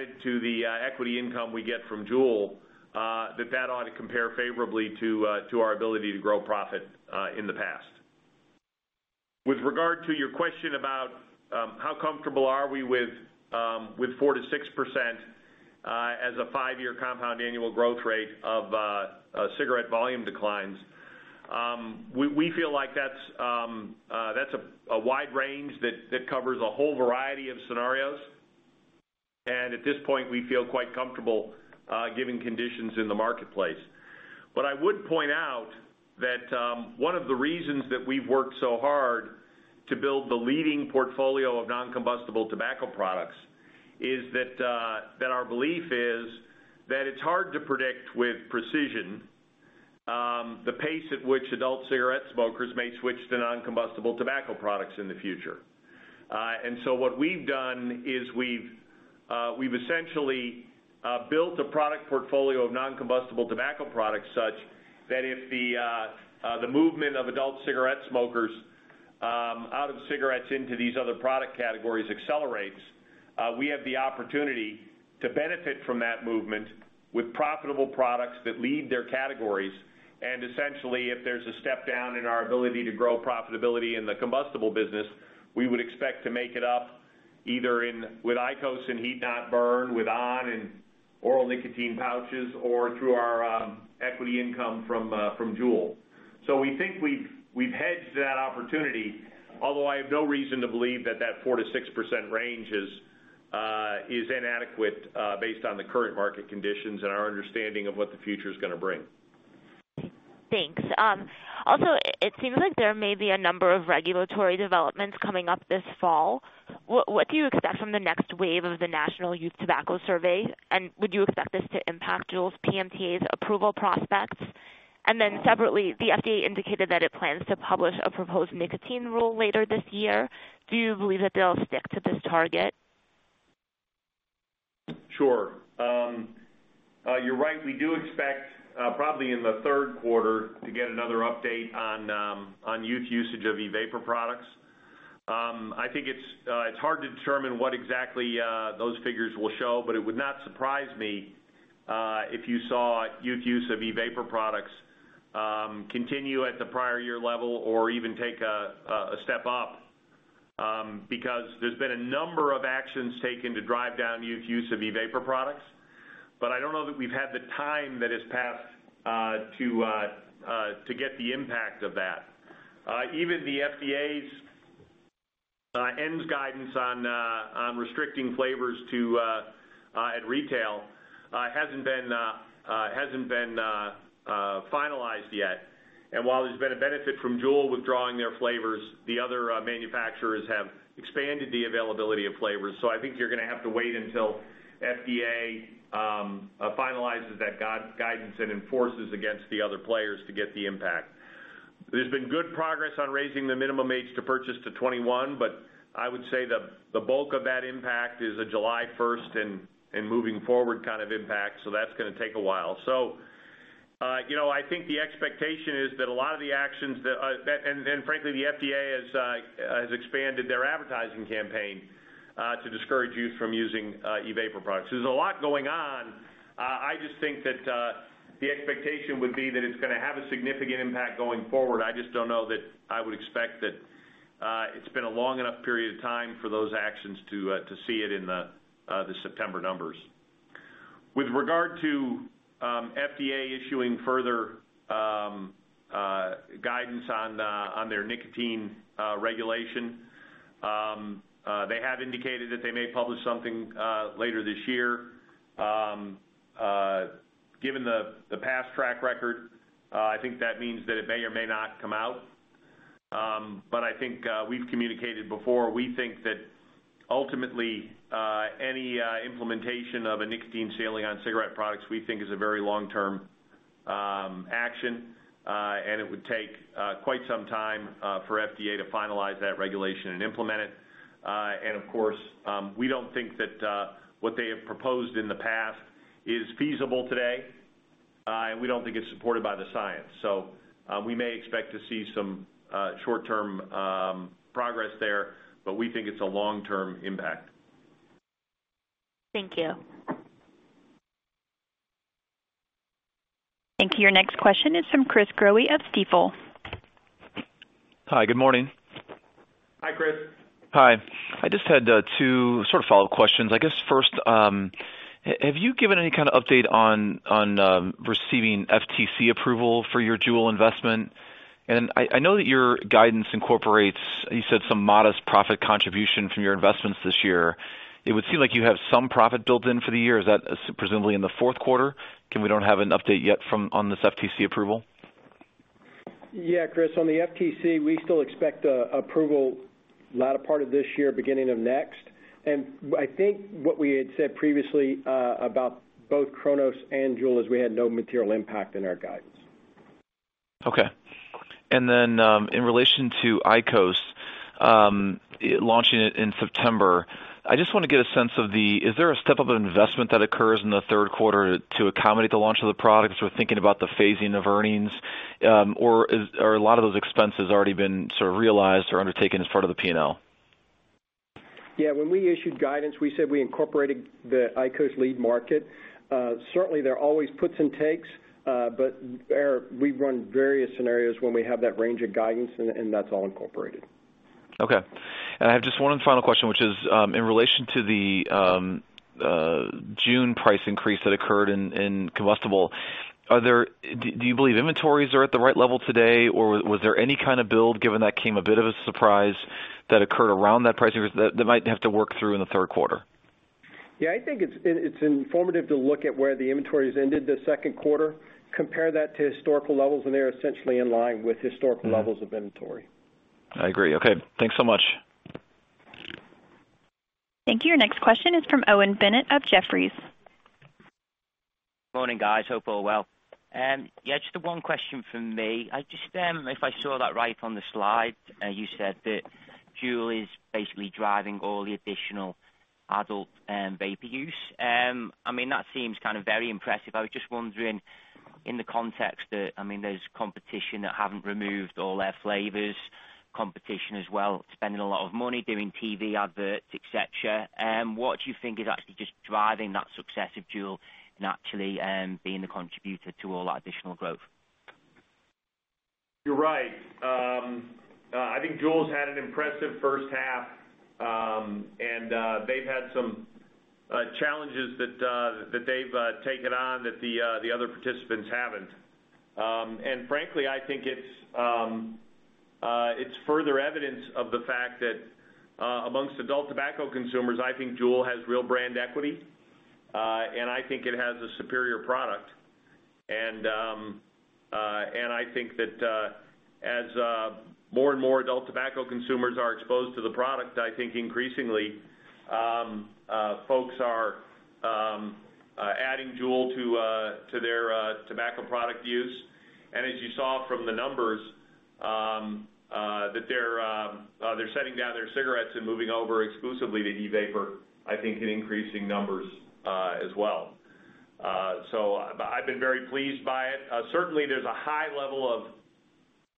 added to the equity income we get from JUUL, that that ought to compare favorably to our ability to grow profit in the past. With regard to your question about how comfortable are we with 4%-6% as a five-year compound annual growth rate of cigarette volume declines, we feel like that's a wide range that covers a whole variety of scenarios. At this point, we feel quite comfortable given conditions in the marketplace. I would point out that one of the reasons that we've worked so hard to build the leading portfolio of non-combustible tobacco products is that our belief is that it's hard to predict with precision the pace at which adult cigarette smokers may switch to non-combustible tobacco products in the future. What we've done is we've essentially built a product portfolio of non-combustible tobacco products such that if the movement of adult cigarette smokers out of cigarettes into these other product categories accelerates, we have the opportunity to benefit from that movement with profitable products that lead their categories. Essentially, if there's a step down in our ability to grow profitability in the combustible business, we would expect to make it up either with IQOS and heat-not-burn, with on! and oral nicotine pouches, or through our equity income from JUUL. We think we've hedged that opportunity, although I have no reason to believe that 4%-6% range is inadequate based on the current market conditions and our understanding of what the future's going to bring. Thanks. It seems like there may be a number of regulatory developments coming up this fall. What do you expect from the next wave of the National Youth Tobacco Survey? Would you expect this to impact JUUL's PMTA's approval prospects? Separately, the FDA indicated that it plans to publish a proposed nicotine rule later this year. Do you believe that they'll stick to this target? Sure. You're right. We do expect, probably in the third quarter, to get another update on youth usage of e-vapor products. I think it's hard to determine what exactly those figures will show, but it would not surprise me if you saw youth use of e-vapor products continue at the prior year level or even take a step up, because there's been a number of actions taken to drive down youth use of e-vapor products. I don't know that we've had the time that has passed to get the impact of that. Even the FDA's ENDS guidance on restricting flavors at retail hasn't been finalized yet. While there's been a benefit from JUUL withdrawing their flavors, the other manufacturers have expanded the availability of flavors. I think you're going to have to wait until FDA finalizes that guidance and enforces against the other players to get the impact. There's been good progress on raising the minimum age to purchase to 21, but I would say the bulk of that impact is a July 1st and moving forward kind of impact, so that's going to take a while. I think the expectation is that a lot of the actions, and frankly, the FDA has expanded their advertising campaign to discourage youth from using e-vapor products. There's a lot going on. I just think that the expectation would be that it's going to have a significant impact going forward. I just don't know that I would expect that it's been a long enough period of time for those actions to see it in the September numbers. With regard to FDA issuing further guidance on their nicotine regulation, they have indicated that they may publish something later this year. Given the past track record, I think that means that it may or may not come out. I think we've communicated before, we think that ultimately, any implementation of a nicotine ceiling on cigarette products, we think is a very long-term action, and it would take quite some time for FDA to finalize that regulation and implement it. Of course, we don't think that what they have proposed in the past is feasible today. We don't think it's supported by the science. We may expect to see some short-term progress there, but we think it's a long-term impact. Thank you. Thank you. Your next question is from Chris Growe of Stifel. Hi, good morning. Hi, Chris. Hi. I just had two sort of follow-up questions. I guess first, have you given any kind of update on receiving FTC approval for your JUUL investment? I know that your guidance incorporates, you said, some modest profit contribution from your investments this year. It would seem like you have some profit built in for the year. Is that presumably in the fourth quarter? We don't have an update yet on this FTC approval? Yeah, Chris, on the FTC, we still expect approval, not a part of this year, beginning of next. I think what we had said previously about both Cronos and JUUL is we had no material impact in our guidance. Okay. In relation to IQOS, launching it in September, is there a step-up in investment that occurs in the third quarter to accommodate the launch of the products? We're thinking about the phasing of earnings, or a lot of those expenses already been sort of realized or undertaken as part of the P&L? Yeah, when we issued guidance, we said we incorporated the IQOS lead market. Certainly, there are always puts and takes, but we run various scenarios when we have that range of guidance, and that's all incorporated. Okay. I have just one final question, which is, in relation to the June price increase that occurred in combustible, do you believe inventories are at the right level today, or was there any kind of build, given that came a bit of a surprise that occurred around that price increase that might have to work through in the third quarter? Yeah, I think it's informative to look at where the inventories ended the second quarter, compare that to historical levels, and they're essentially in line with historical levels of inventory. I agree. Okay. Thanks so much. Thank you. Your next question is from Owen Bennett of Jefferies. Morning, guys. Hope all well. Yeah, just one question from me. If I saw that right on the slide, you said that JUUL is basically driving all the additional adult vapor use. That seems kind of very impressive. I was just wondering in the context that there's competition that haven't removed all their flavors, competition as well, spending a lot of money doing TV adverts, et cetera. What do you think is actually just driving that success of JUUL and actually being the contributor to all that additional growth? You're right. I think JUUL's had an impressive first half. They've had some challenges that they've taken on that the other participants haven't. Frankly, I think it's further evidence of the fact that amongst adult tobacco consumers, I think JUUL has real brand equity. I think it has a superior product. I think that as more and more adult tobacco consumers are exposed to the product, I think increasingly, folks are adding JUUL to their tobacco product use. As you saw from the numbers, that they're setting down their cigarettes and moving over exclusively to e-vapor, I think in increasing numbers as well. I've been very pleased by it. Certainly, there's a high level of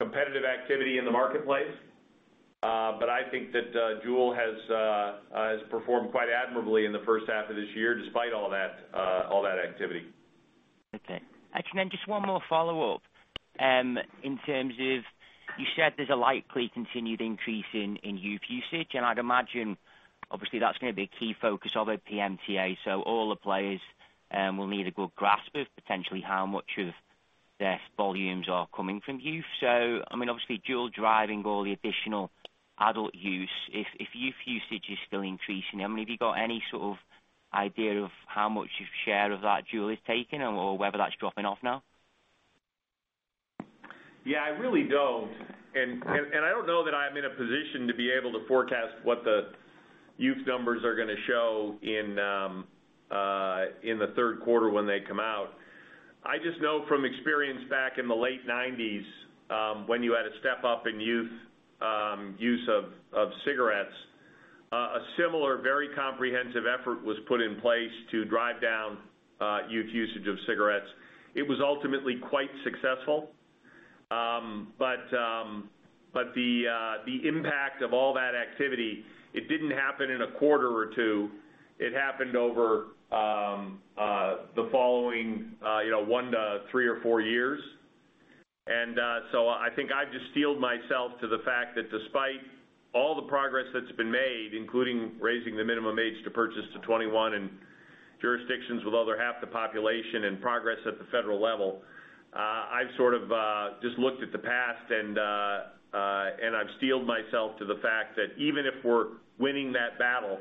competitive activity in the marketplace, I think that JUUL has performed quite admirably in the first half of this year, despite all that activity. Okay. Actually, just one more follow-up. You said there's a likely continued increase in youth usage. I'd imagine obviously that's going to be a key focus of a PMTA. All the players will need a good grasp of potentially how much of their volumes are coming from youth. Obviously, JUUL driving all the additional adult use, if youth usage is still increasing, have you got any sort of idea of how much share of that JUUL is taking or whether that's dropping off now? Yeah, I really don't. I don't know that I'm in a position to be able to forecast what the youth numbers are going to show in the third quarter when they come out. I just know from experience back in the late '90s, when you had a step up in youth use of cigarettes, a similar, very comprehensive effort was put in place to drive down youth usage of cigarettes. It was ultimately quite successful. The impact of all that activity, it didn't happen in a quarter or two. It happened over the following one to three or four years. I think I've just steeled myself to the fact that despite all the progress that's been made, including raising the minimum age to purchase to 21 in jurisdictions with over half the population and progress at the federal level, I've sort of just looked at the past and I've steeled myself to the fact that even if we're winning that battle,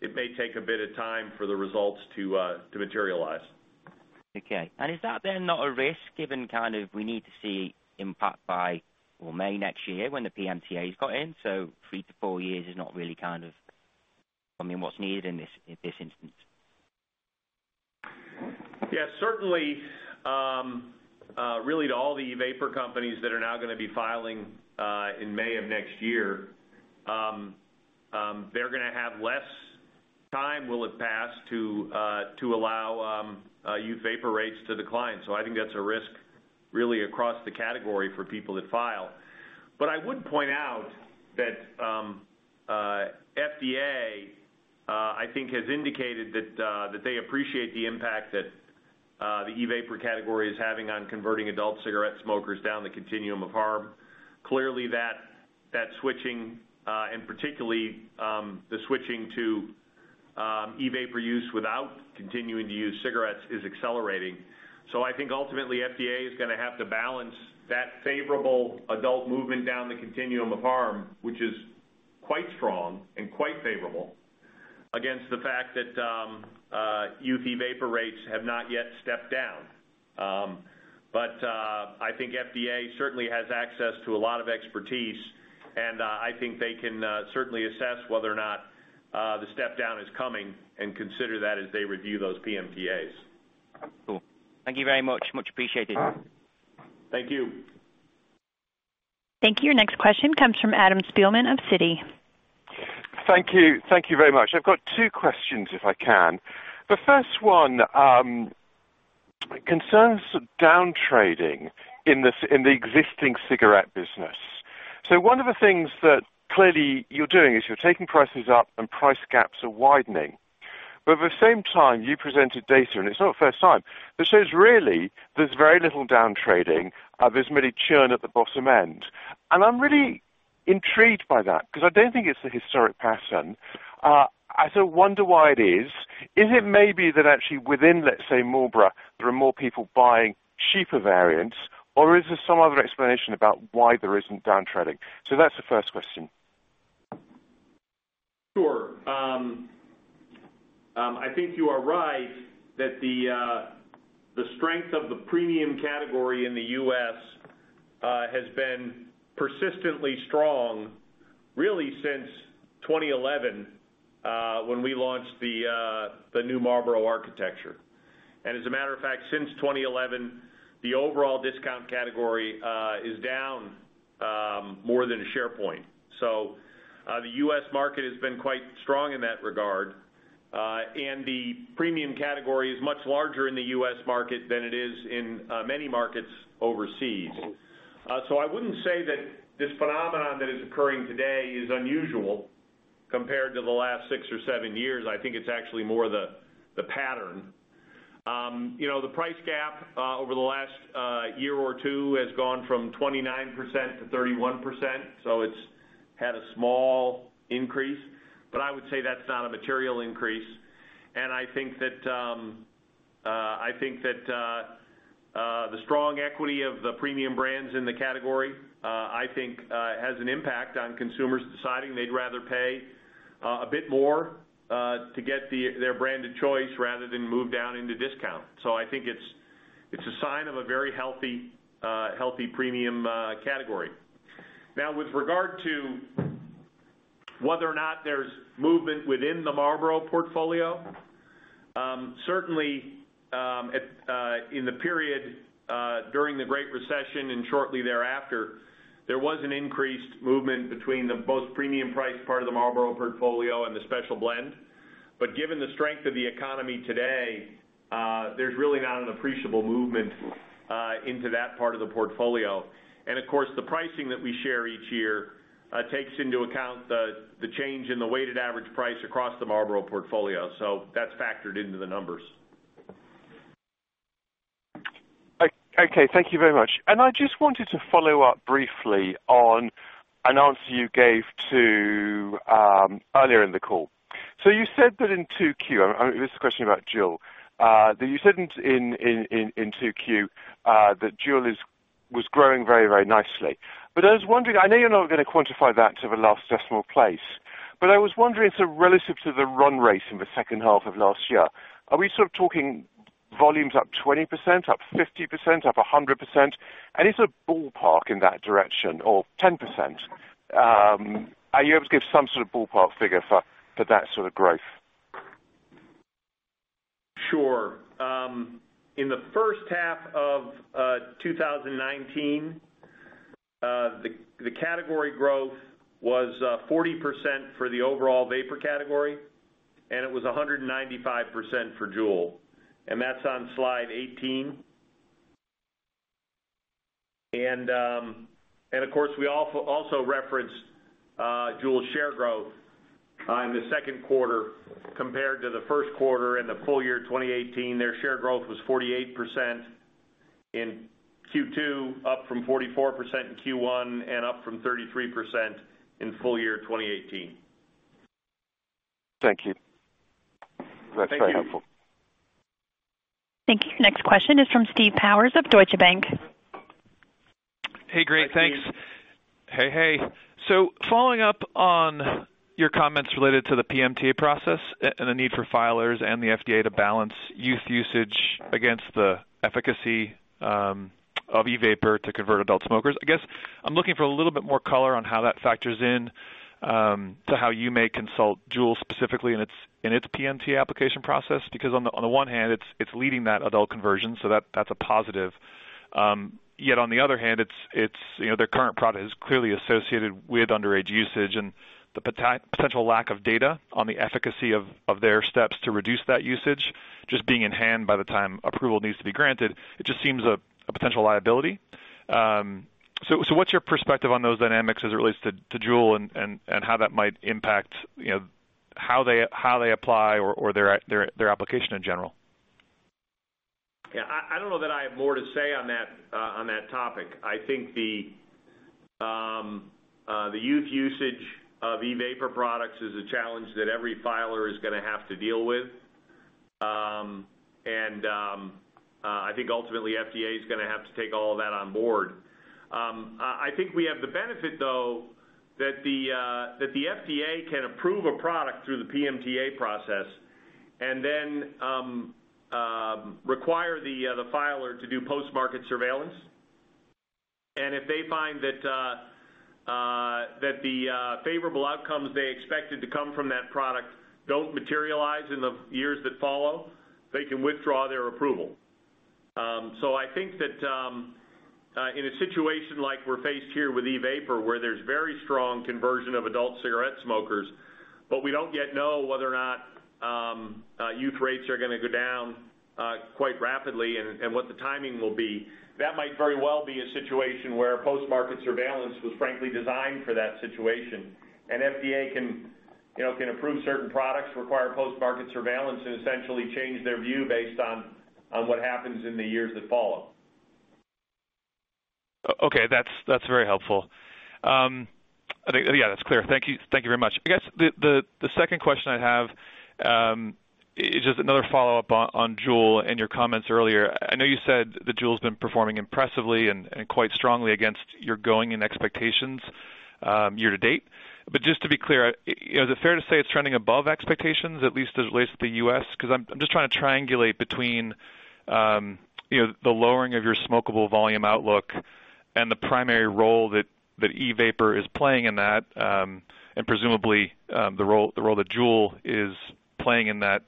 it may take a bit of time for the results to materialize. Okay. Is that then not a risk given kind of we need to see impact by or May next year when the PMTAs got in? 3 years-4 years is not really what's needed in this instance. Yes, certainly. Really to all the e-vapor companies that are now going to be filing in May of next year, they're going to have less time will have passed to allow e-vapor rates to decline. I think that's a risk really across the category for people that file. I would point out that FDA, I think, has indicated that they appreciate the impact that the e-vapor category is having on converting adult cigarette smokers down the continuum of harm. Clearly, that switching, and particularly the switching to e-vapor use without continuing to use cigarettes is accelerating. I think ultimately FDA is going to have to balance that favorable adult movement down the continuum of harm, which is quite strong and quite favorable, against the fact that youth e-vapor rates have not yet stepped down. I think FDA certainly has access to a lot of expertise, and I think they can certainly assess whether or not the step down is coming and consider that as they review those PMTAs. Cool. Thank you very much. Much appreciated. Thank you. Thank you. Your next question comes from Adam Spielman of Citi. Thank you very much. I've got two questions, if I can. The first one concerns downtrading in the existing cigarette business. One of the things that clearly you're doing is you're taking prices up and price gaps are widening. At the same time, you presented data, and it's not the first time, that says really there's very little downtrading, there's merely churn at the bottom end. I'm really intrigued by that because I don't think it's the historic pattern. I sort of wonder why it is. Is it maybe that actually within, let's say, Marlboro, there are more people buying cheaper variants? Is there some other explanation about why there isn't downtrading? That's the first question. Sure. I think you are right that the strength of the premium category in the U.S. has been persistently strong really since 2011 when we launched the new Marlboro architecture. As a matter of fact, since 2011, the overall discount category is down more than a share point. The U.S. market has been quite strong in that regard. The premium category is much larger in the U.S. market than it is in many markets overseas. I wouldn't say that this phenomenon that is occurring today is unusual compared to the last six or seven years. I think it's actually more the pattern. The price gap over the last year or two has gone from 29% to 31%, so it's had a small increase. I would say that's not a material increase, and I think that the strong equity of the premium brands in the category I think has an impact on consumers deciding they'd rather pay a bit more to get their brand of choice rather than move down into discount. I think it's a sign of a very healthy premium category. With regard to whether or not there's movement within the Marlboro portfolio. Certainly, in the period during the Great Recession and shortly thereafter, there was an increased movement between the both premium price part of the Marlboro portfolio and the Special Blend. Given the strength of the economy today, there's really not an appreciable movement into that part of the portfolio. Of course, the pricing that we share each year takes into account the change in the weighted average price across the Marlboro portfolio. That's factored into the numbers. Okay, thank you very much. I just wanted to follow up briefly on an answer you gave earlier in the call. You said that in 2Q, this is a question about JUUL. That you said in 2Q that JUUL was growing very, very nicely. I know you're not going to quantify that to the last decimal place. I was wondering, so relative to the run rate in the second half of last year, are we sort of talking volumes up 20%, up 50%, up 100%? Is it ballpark in that direction or 10%? Are you able to give some sort of ballpark figure for that sort of growth? Sure. In the first half of 2019, the category growth was 40% for the overall vapor category, and it was 195% for JUUL, and that's on slide 18. Of course, we also referenced JUUL share growth in the second quarter compared to the first quarter and the full year 2018. Their share growth was 48% in Q2, up from 44% in Q1, and up from 33% in full year 2018. Thank you. Thank you. That's very helpful. Thank you. Next question is from Steve Powers of Deutsche Bank. Hey, great, thanks. Hi, Steve. Hey, hey. Following up on your comments related to the PMTA process and the need for filers and the FDA to balance youth usage against the efficacy of e-vapor to convert adult smokers, I guess I'm looking for a little bit more color on how that factors in to how you may consult JUUL specifically in its PMTA application process. On the one hand, it's leading that adult conversion, so that's a positive. On the other hand, their current product is clearly associated with underage usage and the potential lack of data on the efficacy of their steps to reduce that usage just being in hand by the time approval needs to be granted. It just seems a potential liability. What's your perspective on those dynamics as it relates to JUUL and how that might impact how they apply or their application in general? Yeah, I don't know that I have more to say on that topic. I think the youth usage of e-vapor products is a challenge that every filer is going to have to deal with. I think ultimately FDA is going to have to take all of that on board. I think we have the benefit, though, that the FDA can approve a product through the PMTA process and then require the filer to do post-market surveillance. If they find that the favorable outcomes they expected to come from that product don't materialize in the years that follow, they can withdraw their approval. I think that in a situation like we're faced here with e-vapor, where there's very strong conversion of adult cigarette smokers, but we don't yet know whether or not youth rates are going to go down quite rapidly and what the timing will be. That might very well be a situation where post-market surveillance was frankly designed for that situation. FDA can approve certain products, require post-market surveillance, and essentially change their view based on what happens in the years that follow. Okay. That's very helpful. Yeah, that's clear. Thank you very much. I guess the second question I have, is just another follow-up on JUUL and your comments earlier. I know you said that JUUL's been performing impressively and quite strongly against your going-in expectations year to date. Just to be clear, is it fair to say it's trending above expectations, at least as it relates to the U.S.? I'm just trying to triangulate between the lowering of your smokable volume outlook and the primary role that e-vapor is playing in that, and presumably, the role that JUUL is playing in that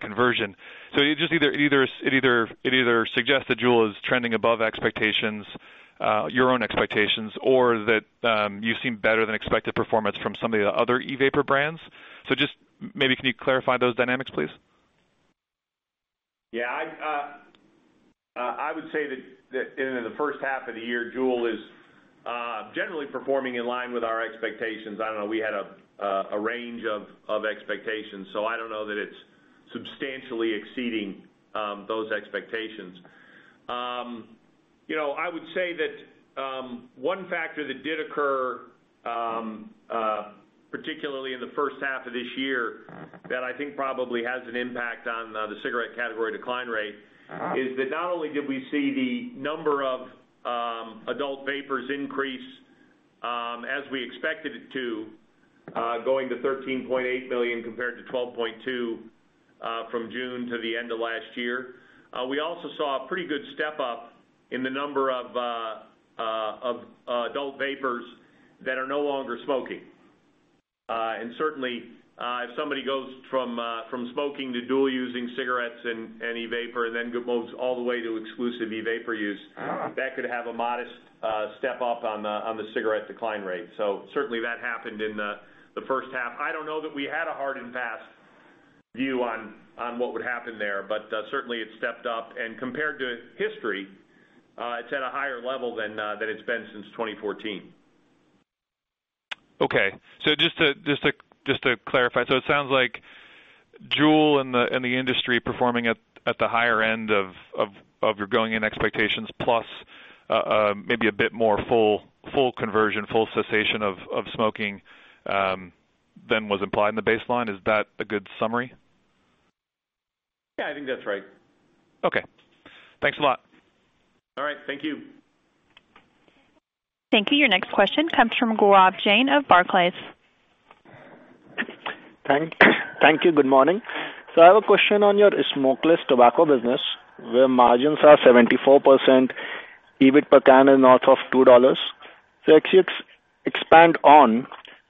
conversion. It either suggests that JUUL is trending above expectations, your own expectations, or that you've seen better than expected performance from some of the other e-vapor brands. Just maybe can you clarify those dynamics, please? I would say that in the first half of the year, JUUL is generally performing in line with our expectations. I don't know, we had a range of expectations. I don't know that it's substantially exceeding those expectations. I would say that one factor that did occur, particularly in the first half of this year that I think probably has an impact on the cigarette category decline rate is that not only did we see the number of adult vapers increase, as we expected it to, going to 13.8 million compared to 12.2 million from June to the end of last year. We also saw a pretty good step-up in the number of adult vapers that are no longer smoking. Certainly, if somebody goes from smoking to dual using cigarettes and e-vapor, then moves all the way to exclusive e-vapor use, that could have a modest step-up on the cigarette decline rate. Certainly that happened in the first half. I don't know that we had a hard and fast view on what would happen there, but certainly it stepped up. Compared to history, it's at a higher level than it's been since 2014. Okay. Just to clarify, so it sounds like JUUL and the industry performing at the higher end of your going-in expectations, plus maybe a bit more full conversion, full cessation of smoking, than was implied in the baseline. Is that a good summary? Yeah, I think that's right. Okay. Thanks a lot. All right. Thank you. Thank you. Your next question comes from Gaurav Jain of Barclays. Thank you. Good morning. I have a question on your smokeless tobacco business, where margins are 74%, EBIT per can is north of $2. As you expand on!,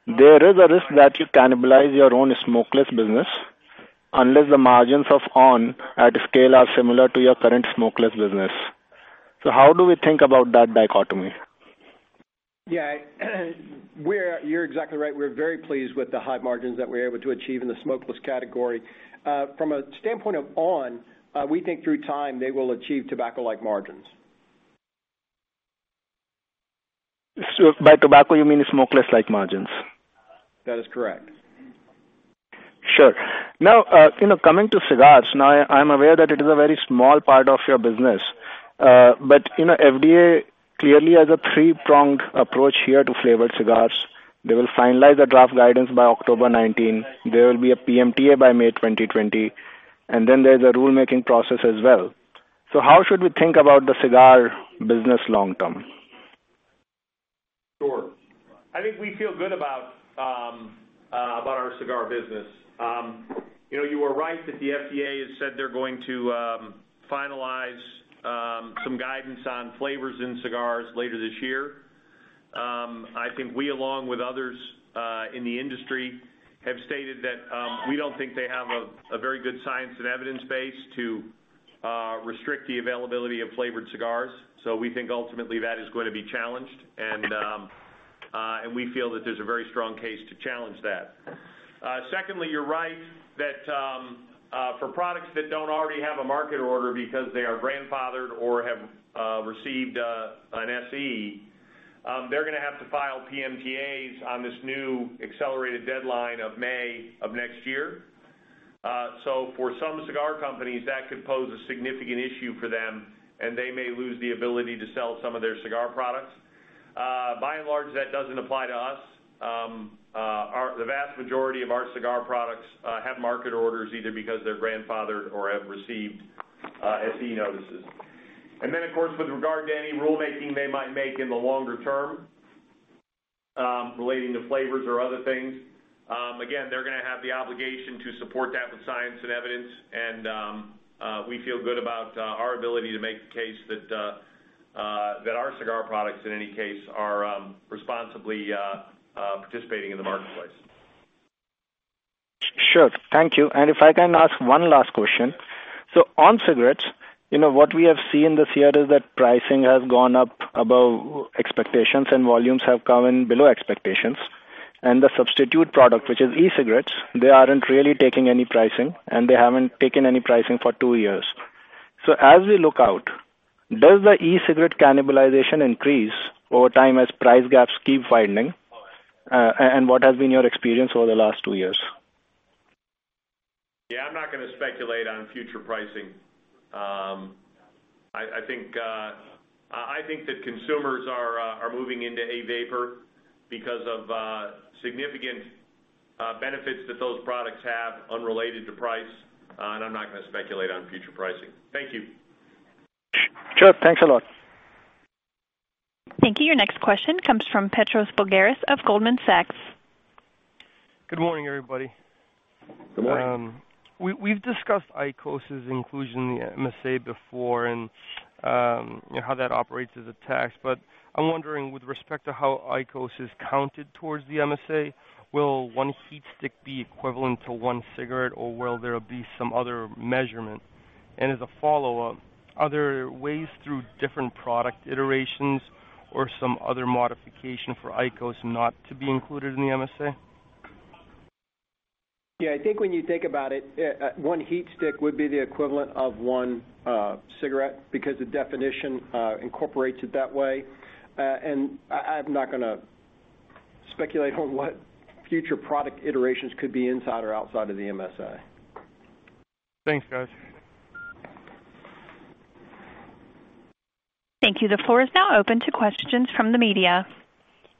there is a risk that you cannibalize your own smokeless business unless the margins of on! at scale are similar to your current smokeless business. How do we think about that dichotomy? Yeah. You're exactly right. We're very pleased with the high margins that we're able to achieve in the smokeless category. From a standpoint of on!, we think through time they will achieve tobacco-like margins. By tobacco, you mean smokeless-like margins? That is correct. Sure. Coming to cigars. I'm aware that it is a very small part of your business. FDA clearly has a three-pronged approach here to flavored cigars. They will finalize the draft guidance by October 19. There will be a PMTA by May 2020, and then there's a rulemaking process as well. How should we think about the cigar business long term? Sure. I think we feel good about our cigar business. You are right that the FDA has said they're going to finalize some guidance on flavors in cigars later this year. I think we, along with others in the industry, have stated that we don't think they have a very good science and evidence base to restrict the availability of flavored cigars. We think ultimately that is going to be challenged, and we feel that there's a very strong case to challenge that. Secondly, you're right that for products that don't already have a market order because they are grandfathered or have received an SE, they're going to have to file PMTAs on this new accelerated deadline of May of next year. For some cigar companies, that could pose a significant issue for them, and they may lose the ability to sell some of their cigar products. By large, that doesn't apply to us. The vast majority of our cigar products have market orders, either because they're grandfathered or have received SE notices. Then, of course, with regard to any rulemaking they might make in the longer term relating to flavors or other things, again, they're going to have the obligation to support that with science and evidence. We feel good about our ability to make the case that our cigar products, in any case, are responsibly participating in the marketplace. Sure. Thank you. If I can ask one last question. On cigarettes, what we have seen this year is that pricing has gone up above expectations and volumes have come in below expectations. The substitute product, which is e-cigarettes, they aren't really taking any pricing, and they haven't taken any pricing for two years. As we look out, does the e-cigarette cannibalization increase over time as price gaps keep widening? What has been your experience over the last two years? Yeah, I'm not going to speculate on future pricing. I think that consumers are moving into e-vapor because of significant benefits that those products have unrelated to price. I'm not going to speculate on future pricing. Thank you. Sure. Thanks a lot. Thank you. Your next question comes from Petros Voulgaris of Goldman Sachs. Good morning, everybody. Good morning. We've discussed IQOS's inclusion in the MSA before and how that operates as a tax. I'm wondering, with respect to how IQOS is counted towards the MSA, will one HeatStick be equivalent to one cigarette, or will there be some other measurement? As a follow-up, are there ways through different product iterations or some other modification for IQOS not to be included in the MSA? Yeah, I think when you think about it, one HeatStick would be the equivalent of one cigarette because the definition incorporates it that way. I'm not gonna speculate on what future product iterations could be inside or outside of the MSA. Thanks, guys. Thank you. The floor is now open to questions from the media.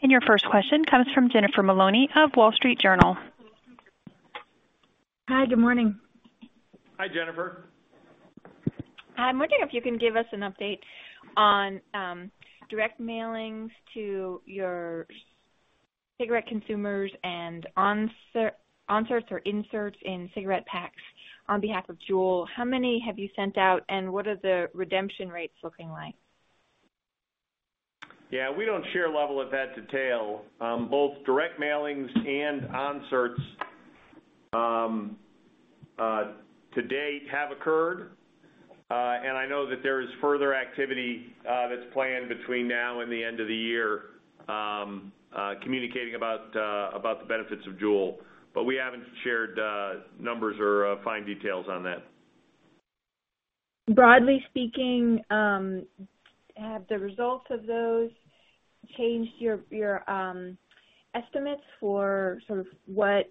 Your first question comes from Jennifer Maloney of Wall Street Journal. Hi, good morning. Hi, Jennifer. I'm wondering if you can give us an update on direct mailings to your cigarette consumers and onserts or inserts in cigarette packs on behalf of JUUL. How many have you sent out, and what are the redemption rates looking like? Yeah, we don't share level of that detail. Both direct mailings and onserts to date have occurred, and I know that there is further activity that is planned between now and the end of the year communicating about the benefits of JUUL, but we haven't shared numbers or fine details on that. Broadly speaking, have the results of those changed your estimates for sort of what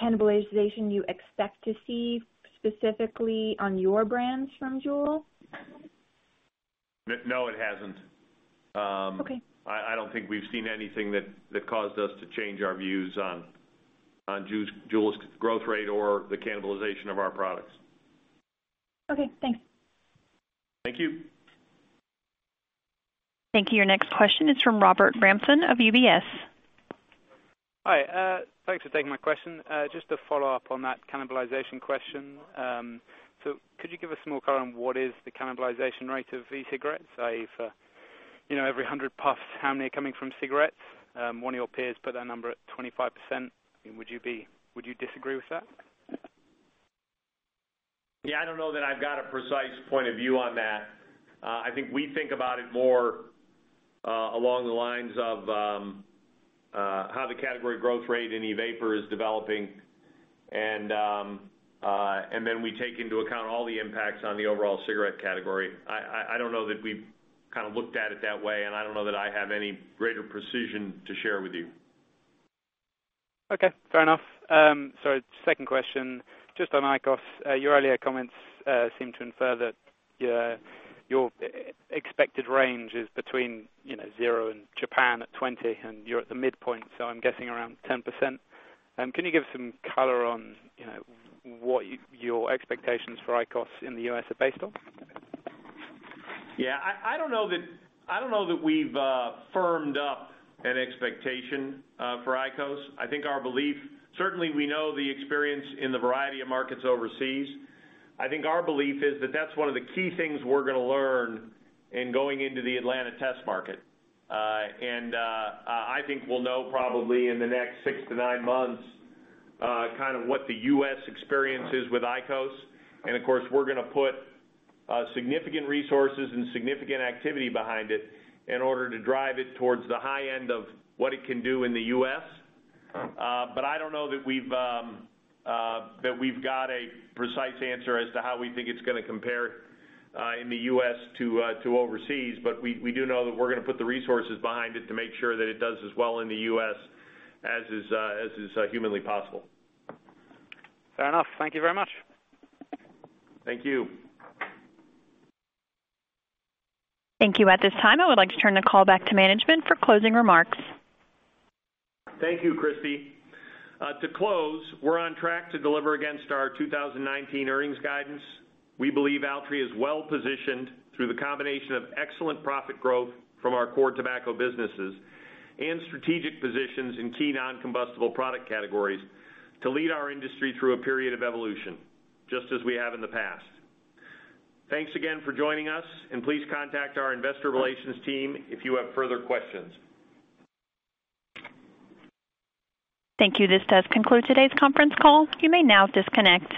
cannibalization you expect to see specifically on your brands from JUUL? No, it hasn't. Okay. I don't think we've seen anything that caused us to change our views on JUUL's growth rate or the cannibalization of our products. Okay, thanks. Thank you. Thank you. Your next question is from Robert Rampton of UBS. Hi. Thanks for taking my question. Just to follow up on that cannibalization question. Could you give us more color on what is the cannibalization rate of e-cigarettes? Say for every 100 puffs, how many are coming from cigarettes? One of your peers put that number at 25%. Would you disagree with that? Yeah, I don't know that I've got a precise point of view on that. I think we think about it more along the lines of how the category growth rate in e-vapor is developing, and then we take into account all the impacts on the overall cigarette category. I don't know that we've looked at it that way, and I don't know that I have any greater precision to share with you. Okay, fair enough. Second question, just on IQOS. Your earlier comments seem to infer that your expected range is between zero in Japan at 20%, and you're at the midpoint, so I'm guessing around 10%. Can you give us some color on what your expectations for IQOS in the U.S. are based on? Yeah, I don't know that we've firmed up an expectation for IQOS. Certainly we know the experience in the variety of markets overseas. I think our belief is that that's one of the key things we're going to learn in going into the Atlanta test market. I think we'll know probably in the next six to nine months what the U.S. experience is with IQOS. Of course, we're going to put significant resources and significant activity behind it in order to drive it towards the high end of what it can do in the U.S. I don't know that we've got a precise answer as to how we think it's going to compare in the U.S. to overseas. We do know that we're going to put the resources behind it to make sure that it does as well in the U.S. as is humanly possible. Fair enough. Thank you very much. Thank you. Thank you. At this time, I would like to turn the call back to management for closing remarks. Thank you, Christy. To close, we're on track to deliver against our 2019 earnings guidance. We believe Altria is well-positioned through the combination of excellent profit growth from our core tobacco businesses and strategic positions in key non-combustible product categories to lead our industry through a period of evolution, just as we have in the past. Thanks again for joining us, and please contact our investor relations team if you have further questions. Thank you. This does conclude today's conference call. You may now disconnect.